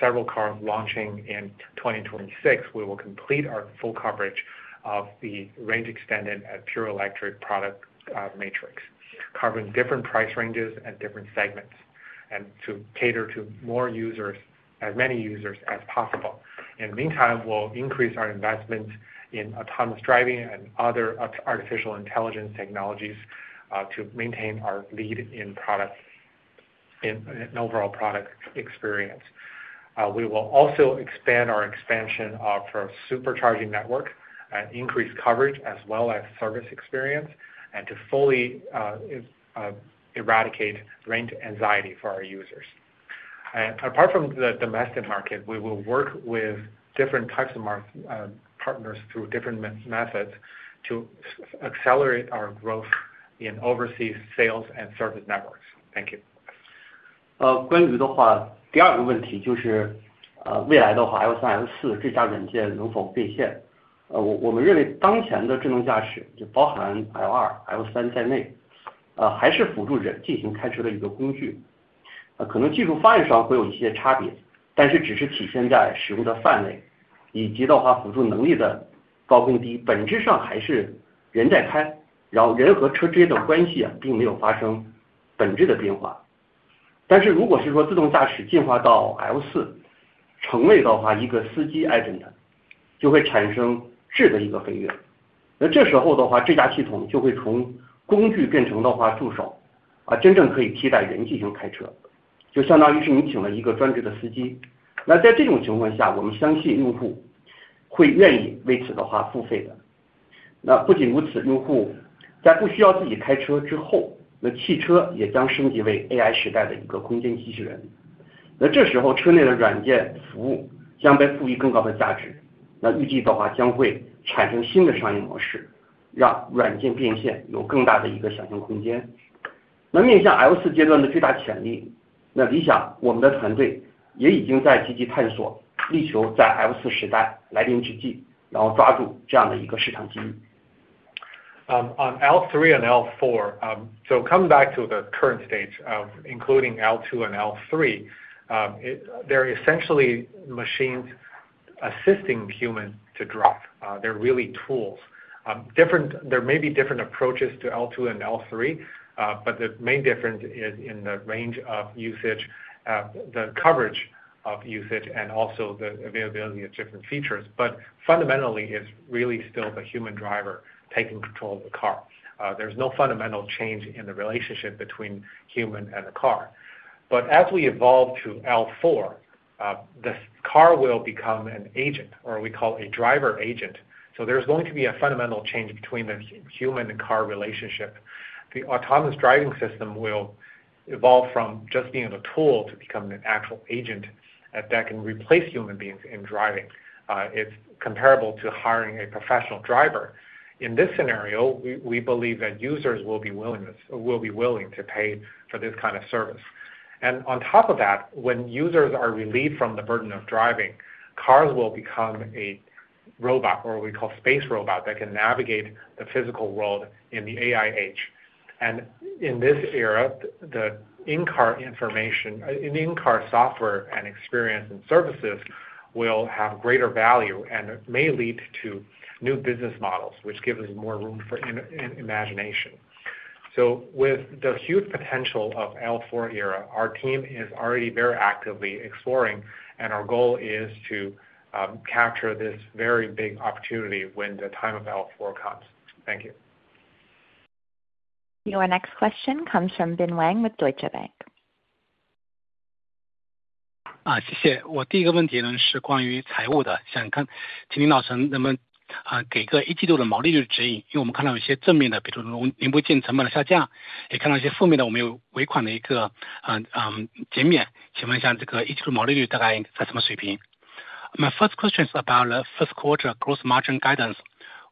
several cars launching in 2026. We will complete our full coverage of the range extended and pure electric product matrix, covering different price ranges and different segments, and to cater to as many users as possible. In the meantime, we'll increase our investments in autonomous driving and other artificial intelligence technologies to maintain our lead in overall product experience. We will also expand our expansion of our supercharging network and increase coverage as well as service experience and to fully eradicate range anxiety for our users. Apart from the domestic market, we will work with different types of partners through different methods to accelerate our growth in overseas sales and service networks. Thank you. 关于的话，第二个问题就是未来的话 L3、L4 智驾软件能否变现。我们认为当前的智能驾驶就包含 L2、L3 在内，还是辅助人进行开车的一个工具。可能技术方案上会有一些差别，但是只是体现在使用的范围以及的话辅助能力的高跟低。本质上还是人在开，然后人和车之间的关系并没有发生本质的变化。如果是说自动驾驶进化到 L4 成为的话一个司机 agent，就会产生质的一个飞跃。这时候的话智驾系统就会从工具变成的话助手，真正可以替代人进行开车，就相当于是你请了一个专职的司机。在这种情况下，我们相信用户会愿意为此的话付费的。不仅如此，用户在不需要自己开车之后，汽车也将升级为 AI 时代的一个空间机器人。这时候车内的软件服务将被赋予更高的价值，预计的话将会产生新的商业模式，让软件变现有更大的一个想象空间。面向 L4 阶段的最大潜力，理想我们的团队也已经在积极探索，力求在 L4 时代来临之际，然后抓住这样的一个市场机遇。On L3 and L4, coming back to the current stage of including L2 and L3, they're essentially machines assisting humans to drive. They're really tools. There may be different approaches to L2 and L3, but the main difference is in the range of usage, the coverage of usage, and also the availability of different features. Fundamentally, it's really still the human driver taking control of the car. There's no fundamental change in the relationship between human and the car. As we evolve to L4, the car will become an agent, or we call a driver agent. There's going to be a fundamental change between the human and car relationship. The autonomous driving system will evolve from just being a tool to become an actual agent that can replace human beings in driving. It's comparable to hiring a professional driver. In this scenario, we believe that users will be willing to pay for this kind of service. On top of that, when users are relieved from the burden of driving, cars will become a robot, or we call space robot, that can navigate the physical world in the AI age. In this era, the in-car information, in-car software and experience and services will have greater value and may lead to new business models, which gives us more room for imagination. With the huge potential of L4 era, our team is already very actively exploring, and our goal is to capture this very big opportunity when the time of L4 comes. Thank you. Your next question comes from Bin Wang with Deutsche Bank. 谢谢。我第一个问题是关于财务的。想看请您老师能不能给个一季度的毛利率指引，因为我们看到一些正面的，比如零部件成本的下降，也看到一些负面的，我们有尾款的一个减免。请问一下这个一季度毛利率大概在什么水平？ My first question is about the first quarter gross margin guidance.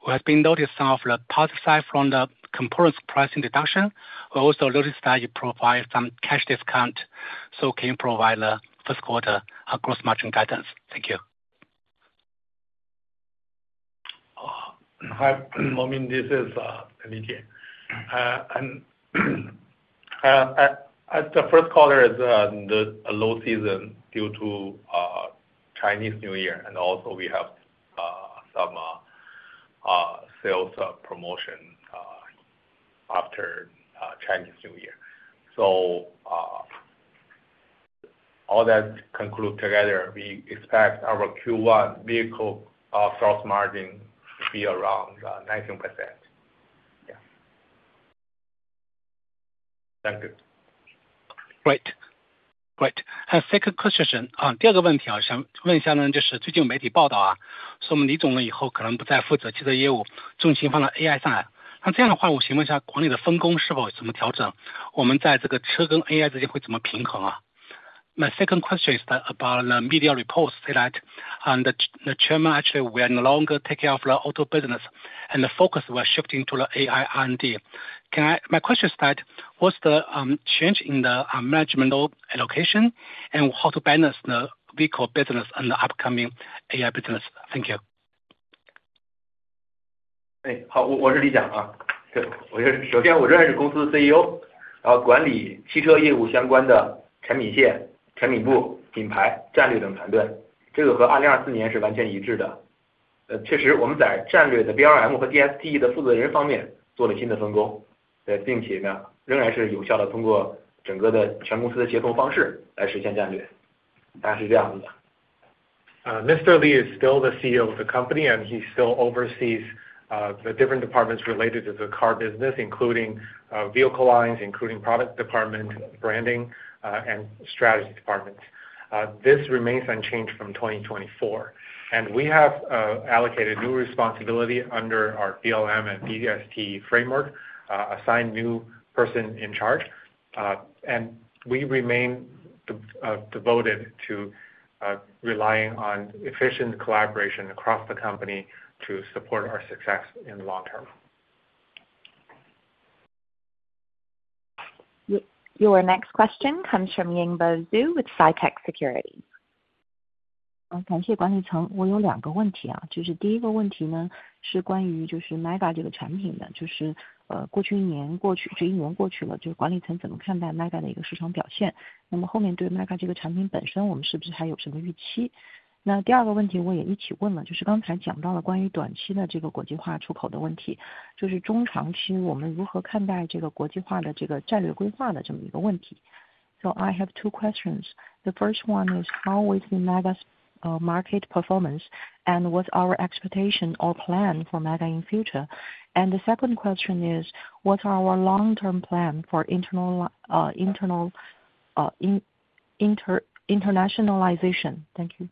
We have been noticed some of the positive side from the components pricing deduction. We also noticed that you provide some cash discount. Can you provide the first quarter gross margin guidance? Thank you. Hi, this is Li Jie. At the first quarter, it's a low season due to Chinese New Year, and also we have some sales promotion after Chinese New Year. All that conclude together, we expect our Q1 vehicle sales margin to be around 19%. Yeah. Thank you. Right. Right. Second question, 第二个问题想问一下呢，就是最近有媒体报道说我们李总以后可能不再负责汽车业务，重心放到 AI 上。那这样的话，我想问一下国内的分工是否有什么调整？我们在这个车跟 AI 之间会怎么平衡？ My second question is about the media reports say that the chairman actually will no longer take care of the auto business, and the focus will shift into the AI R&D. My question is that what's the change in the management allocation, and how to balance the vehicle business and the upcoming AI business? Thank you. 好，我是李想。首先我仍然是公司的 CEO，管理汽车业务相关的产品线、产品部、品牌、战略等团队，这个和 2024 年是完全一致的。确实我们在战略的 BRM 和 DSP 的负责人方面做了新的分工，并且仍然是有效地通过整个的全公司的协同方式来实现战略。大概是这样子的。Mr. Li is still the CEO of the company, and he still oversees the different departments related to the car business, including vehicle lines, including product department, branding, and strategy departments. This remains unchanged from 2024. We have allocated new responsibility under our BLM and DSP framework, assigned new person in charge. We remain devoted to relying on efficient collaboration across the company to support our success in the long term. Your next question comes from Ying Bao Zhu with SITECH Security. 感谢管理层。我有两个问题。第一个问题是关于 Li MEGA 这个产品的，就是过去一年过去了，管理层怎么看待 Li MEGA 的一个市场表现？那么后面对 Li MEGA 这个产品本身，我们是不是还有什么预期？第二个问题我也一起问了，就是刚才讲到了关于短期的国际化出口的问题，就是中长期我们如何看待国际化的战略规划的这么一个问题。I have two questions. The first one is how is the Li MEGA market performance and what's our expectation or plan for Li MEGA in future? The second question is what's our long-term plan for internationalization? Thank you.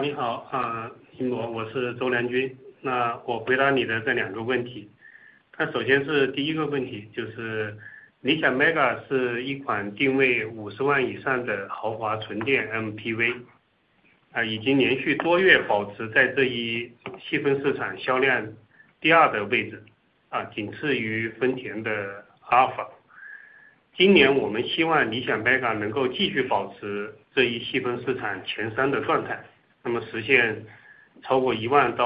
你好，我是周良军。我回答你的这两个问题。首先是第一个问题，就是理想 MEGA 是一款定位 RMB 500,000 以上的豪华纯电 MPV，已经连续多月保持在这一细分市场销量第二的位置，仅次于丰田的 Alphard。今年我们希望理想 MEGA 能够继续保持这一细分市场前三的状态，那么实现超过 10,000-15,000 台的全年销量。此外，理想 MEGA 的用户净推荐值，也就是我们说的 NPS，持续保持高位，是我们所有产品中用户口碑表现最好的。在诸如春节这样的长途出行场景中，理想 MEGA 的底盘、座椅舒适性、NVH、智能座舱、智能驾驶以及高速的 5C 超充服务，都为用户带来了超越预期的产品体验。理想 MEGA 的 NPS 和销量在春节后也出现了较大幅度的提升，这说明用户对理想 MEGA 的产品和服务是高度满意，并且愿意向身边的人推荐。同时，随着我们自建的 5C 超充站超过 1,900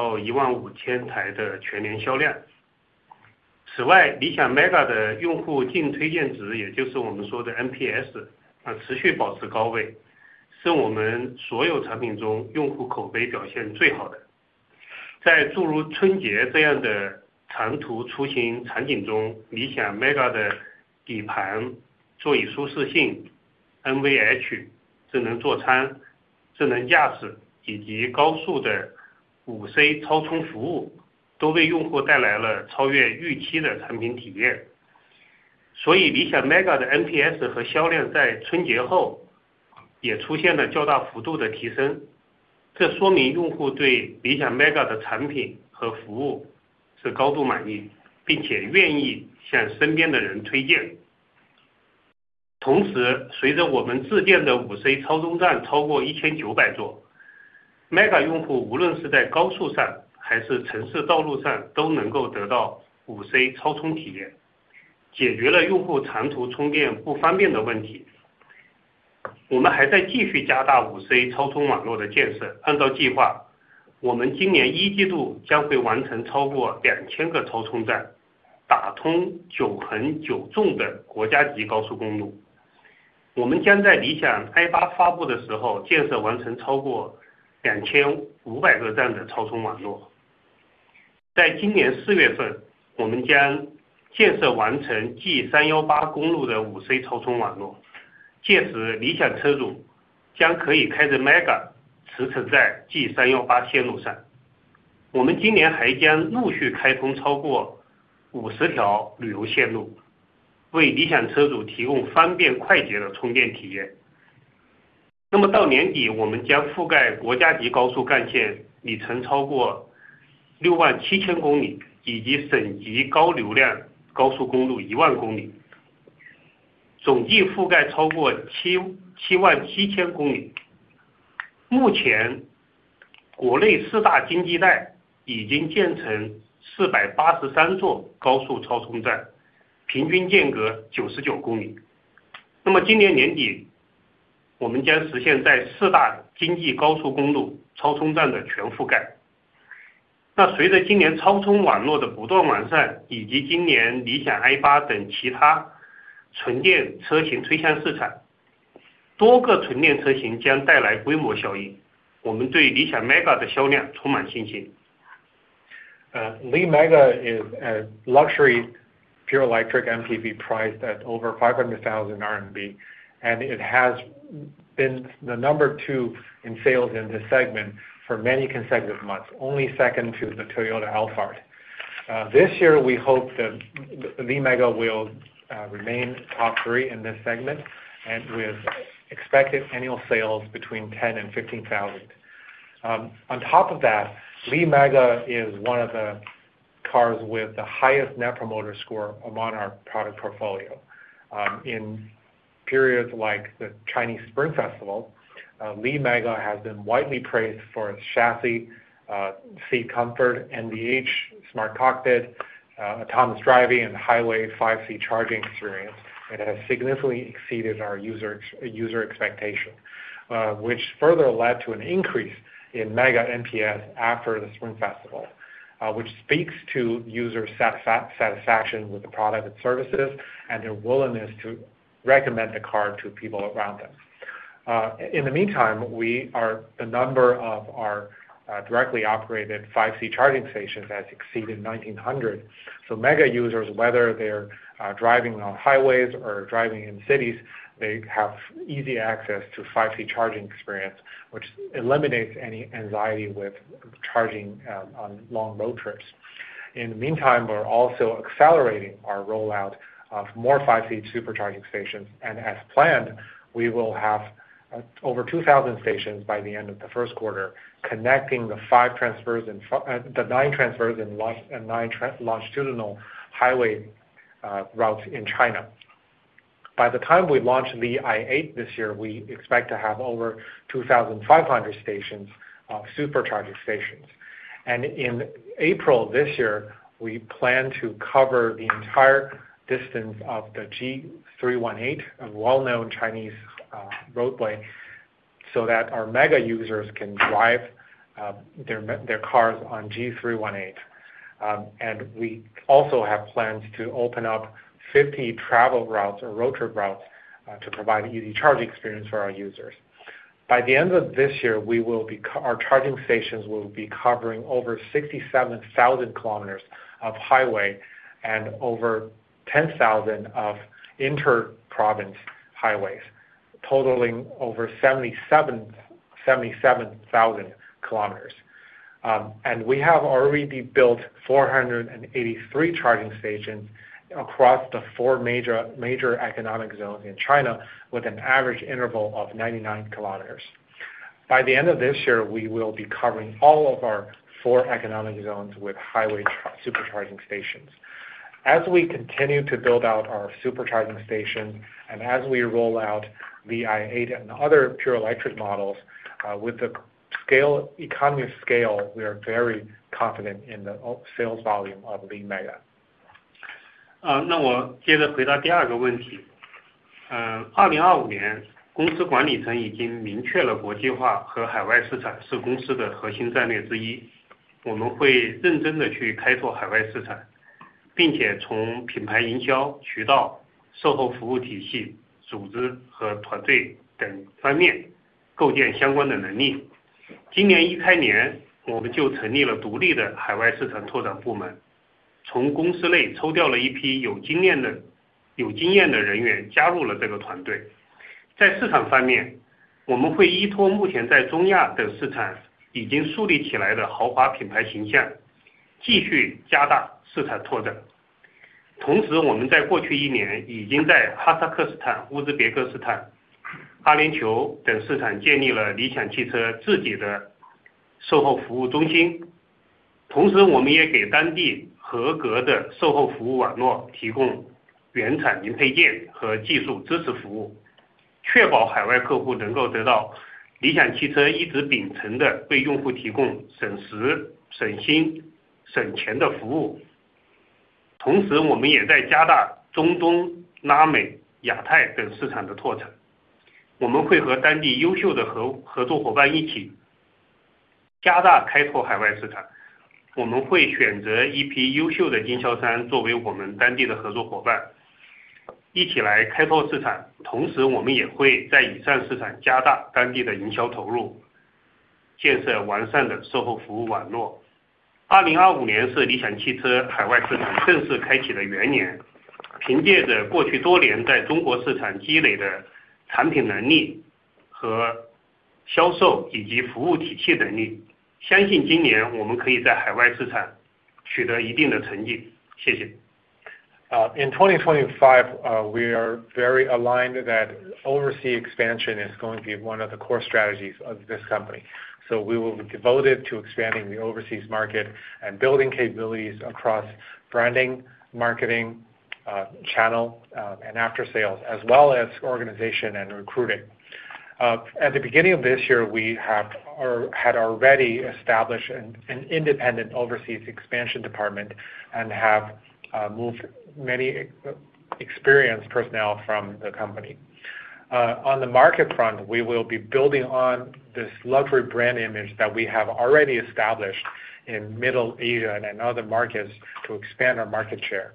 座，MEGA 用户无论是在高速上还是城市道路上都能够得到 5C 超充体验，解决了用户长途充电不方便的问题。我们还在继续加大 5C 超充网络的建设。按照计划，我们今年一季度将会完成超过 2,000 个超充站，打通九横九纵的国家级高速公路。我们将在理想 I8 发布的时候建设完成超过 2,500 个站的超充网络。在今年四月份，我们将建设完成 G318 公路的 5C 超充网络，届时理想车主将可以开着 MEGA 驰骋在 G318 线路上。今年还将陆续开通超过 50 条旅游线路，为理想车主提供方便快捷的充电体验。到年底，我们将覆盖国家级高速干线，里程超过 67,000 公里，以及省级高流量高速公路 10,000 公里，总计覆盖超过 77,000 公里。目前国内四大经济带已经建成 483 座高速超充站，平均间隔 99 公里。今年年底，我们将实现在四大经济高速公路超充站的全覆盖。随着今年超充网络的不断完善，以及今年理想 I8 等其他纯电车型推向市场，多个纯电车型将带来规模效应，我们对理想 MEGA 的销量充满信心。Li MEGA is a luxury pure electric MPV priced at over 500,000 RMB, and it has been the number two in sales in this segment for many consecutive months, only second to the Toyota Alphard. This year, we hope that Li MEGA will remain top three in this segment, and we expect annual sales between 10,000 and 15,000. On top of that, Li MEGA is one of the cars with the highest net promoter score among our product portfolio. In periods like the Chinese Spring Festival, Li MEGA has been widely praised for its chassis, seat comfort, NVH, smart cockpit, autonomous driving, and highway 5C charging experience. It has significantly exceeded our user expectation, which further led to an increase in MEGA NPS after the Spring Festival, which speaks to user satisfaction with the product and services, and their willingness to recommend the car to people around them. In the meantime, the number of our directly operated 5C charging stations has exceeded 1,900. MAGA users, whether they're driving on highways or driving in cities, have easy access to 5C charging experience, which eliminates any anxiety with charging on long road trips. In the meantime, we're also accelerating our rollout of more 5C supercharging stations, and as planned, we will have over 2,000 stations by the end of the first quarter, connecting the nine transverse and nine longitudinal highway routes in China. By the time we launch Li I8 this year, we expect to have over 2,500 stations of supercharging stations. In April this year, we plan to cover the entire distance of the G318, a well-known Chinese roadway, so that our MAGA users can drive their cars on G318. We also have plans to open up 50 travel routes or road trip routes to provide an easy charging experience for our users. By the end of this year, our charging stations will be covering over 67,000 kilometers of highway and over 10,000 kilometers of inter-province highways, totaling over 77,000 kilometers. We have already built 483 charging stations across the four major economic zones in China, with an average interval of 99 kilometers. By the end of this year, we will be covering all of our four economic zones with highway supercharging stations. As we continue to build out our supercharging stations, and as we roll out Li I8 and other pure electric models, with the economy of scale, we are very confident in the sales volume of Li MEGA. In 2025, we are very aligned that overseas expansion is going to be one of the core strategies of this company. We will be devoted to expanding the overseas market and building capabilities across branding, marketing, channel, and after sales, as well as organization and recruiting. At the beginning of this year, we had already established an independent overseas expansion department and have moved many experienced personnel from the company. On the market front, we will be building on this luxury brand image that we have already established in Middle Asia and other markets to expand our market share.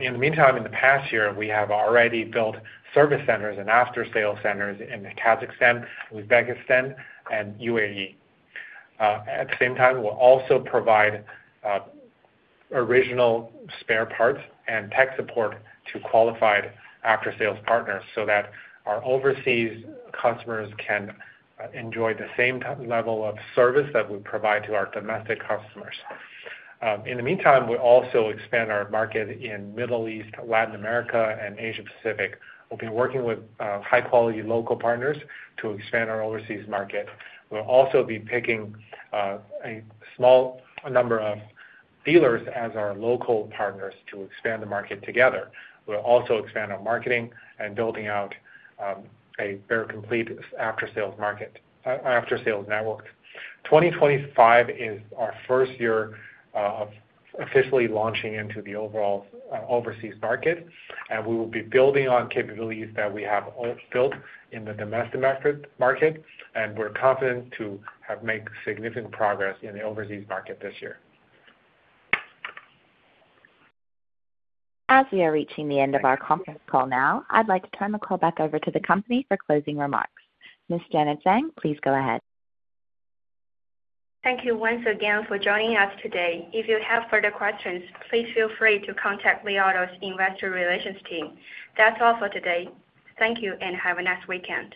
In the meantime, in the past year, we have already built service centers and after-sales centers in Kazakhstan, Uzbekistan, and UAE. At the same time, we'll also provide original spare parts and tech support to qualified after-sales partners so that our overseas customers can enjoy the same level of service that we provide to our domestic customers. In the meantime, we'll also expand our market in the Middle East, Latin America, and Asia Pacific. We'll be working with high-quality local partners to expand our overseas market. We'll also be picking a small number of dealers as our local partners to expand the market together. We'll also expand our marketing and build out a very complete after-sales network. 2025 is our first year of officially launching into the overall overseas market, and we will be building on capabilities that we have built in the domestic market, and we're confident to have made significant progress in the overseas market this year. As we are reaching the end of our conference call now, I'd like to turn the call back over to the company for closing remarks. Ms. Janet Zhang, please go ahead. Thank you once again for joining us today. If you have further questions, please feel free to contact Li Auto's investor relations team. That's all for today. Thank you and have a nice weekend.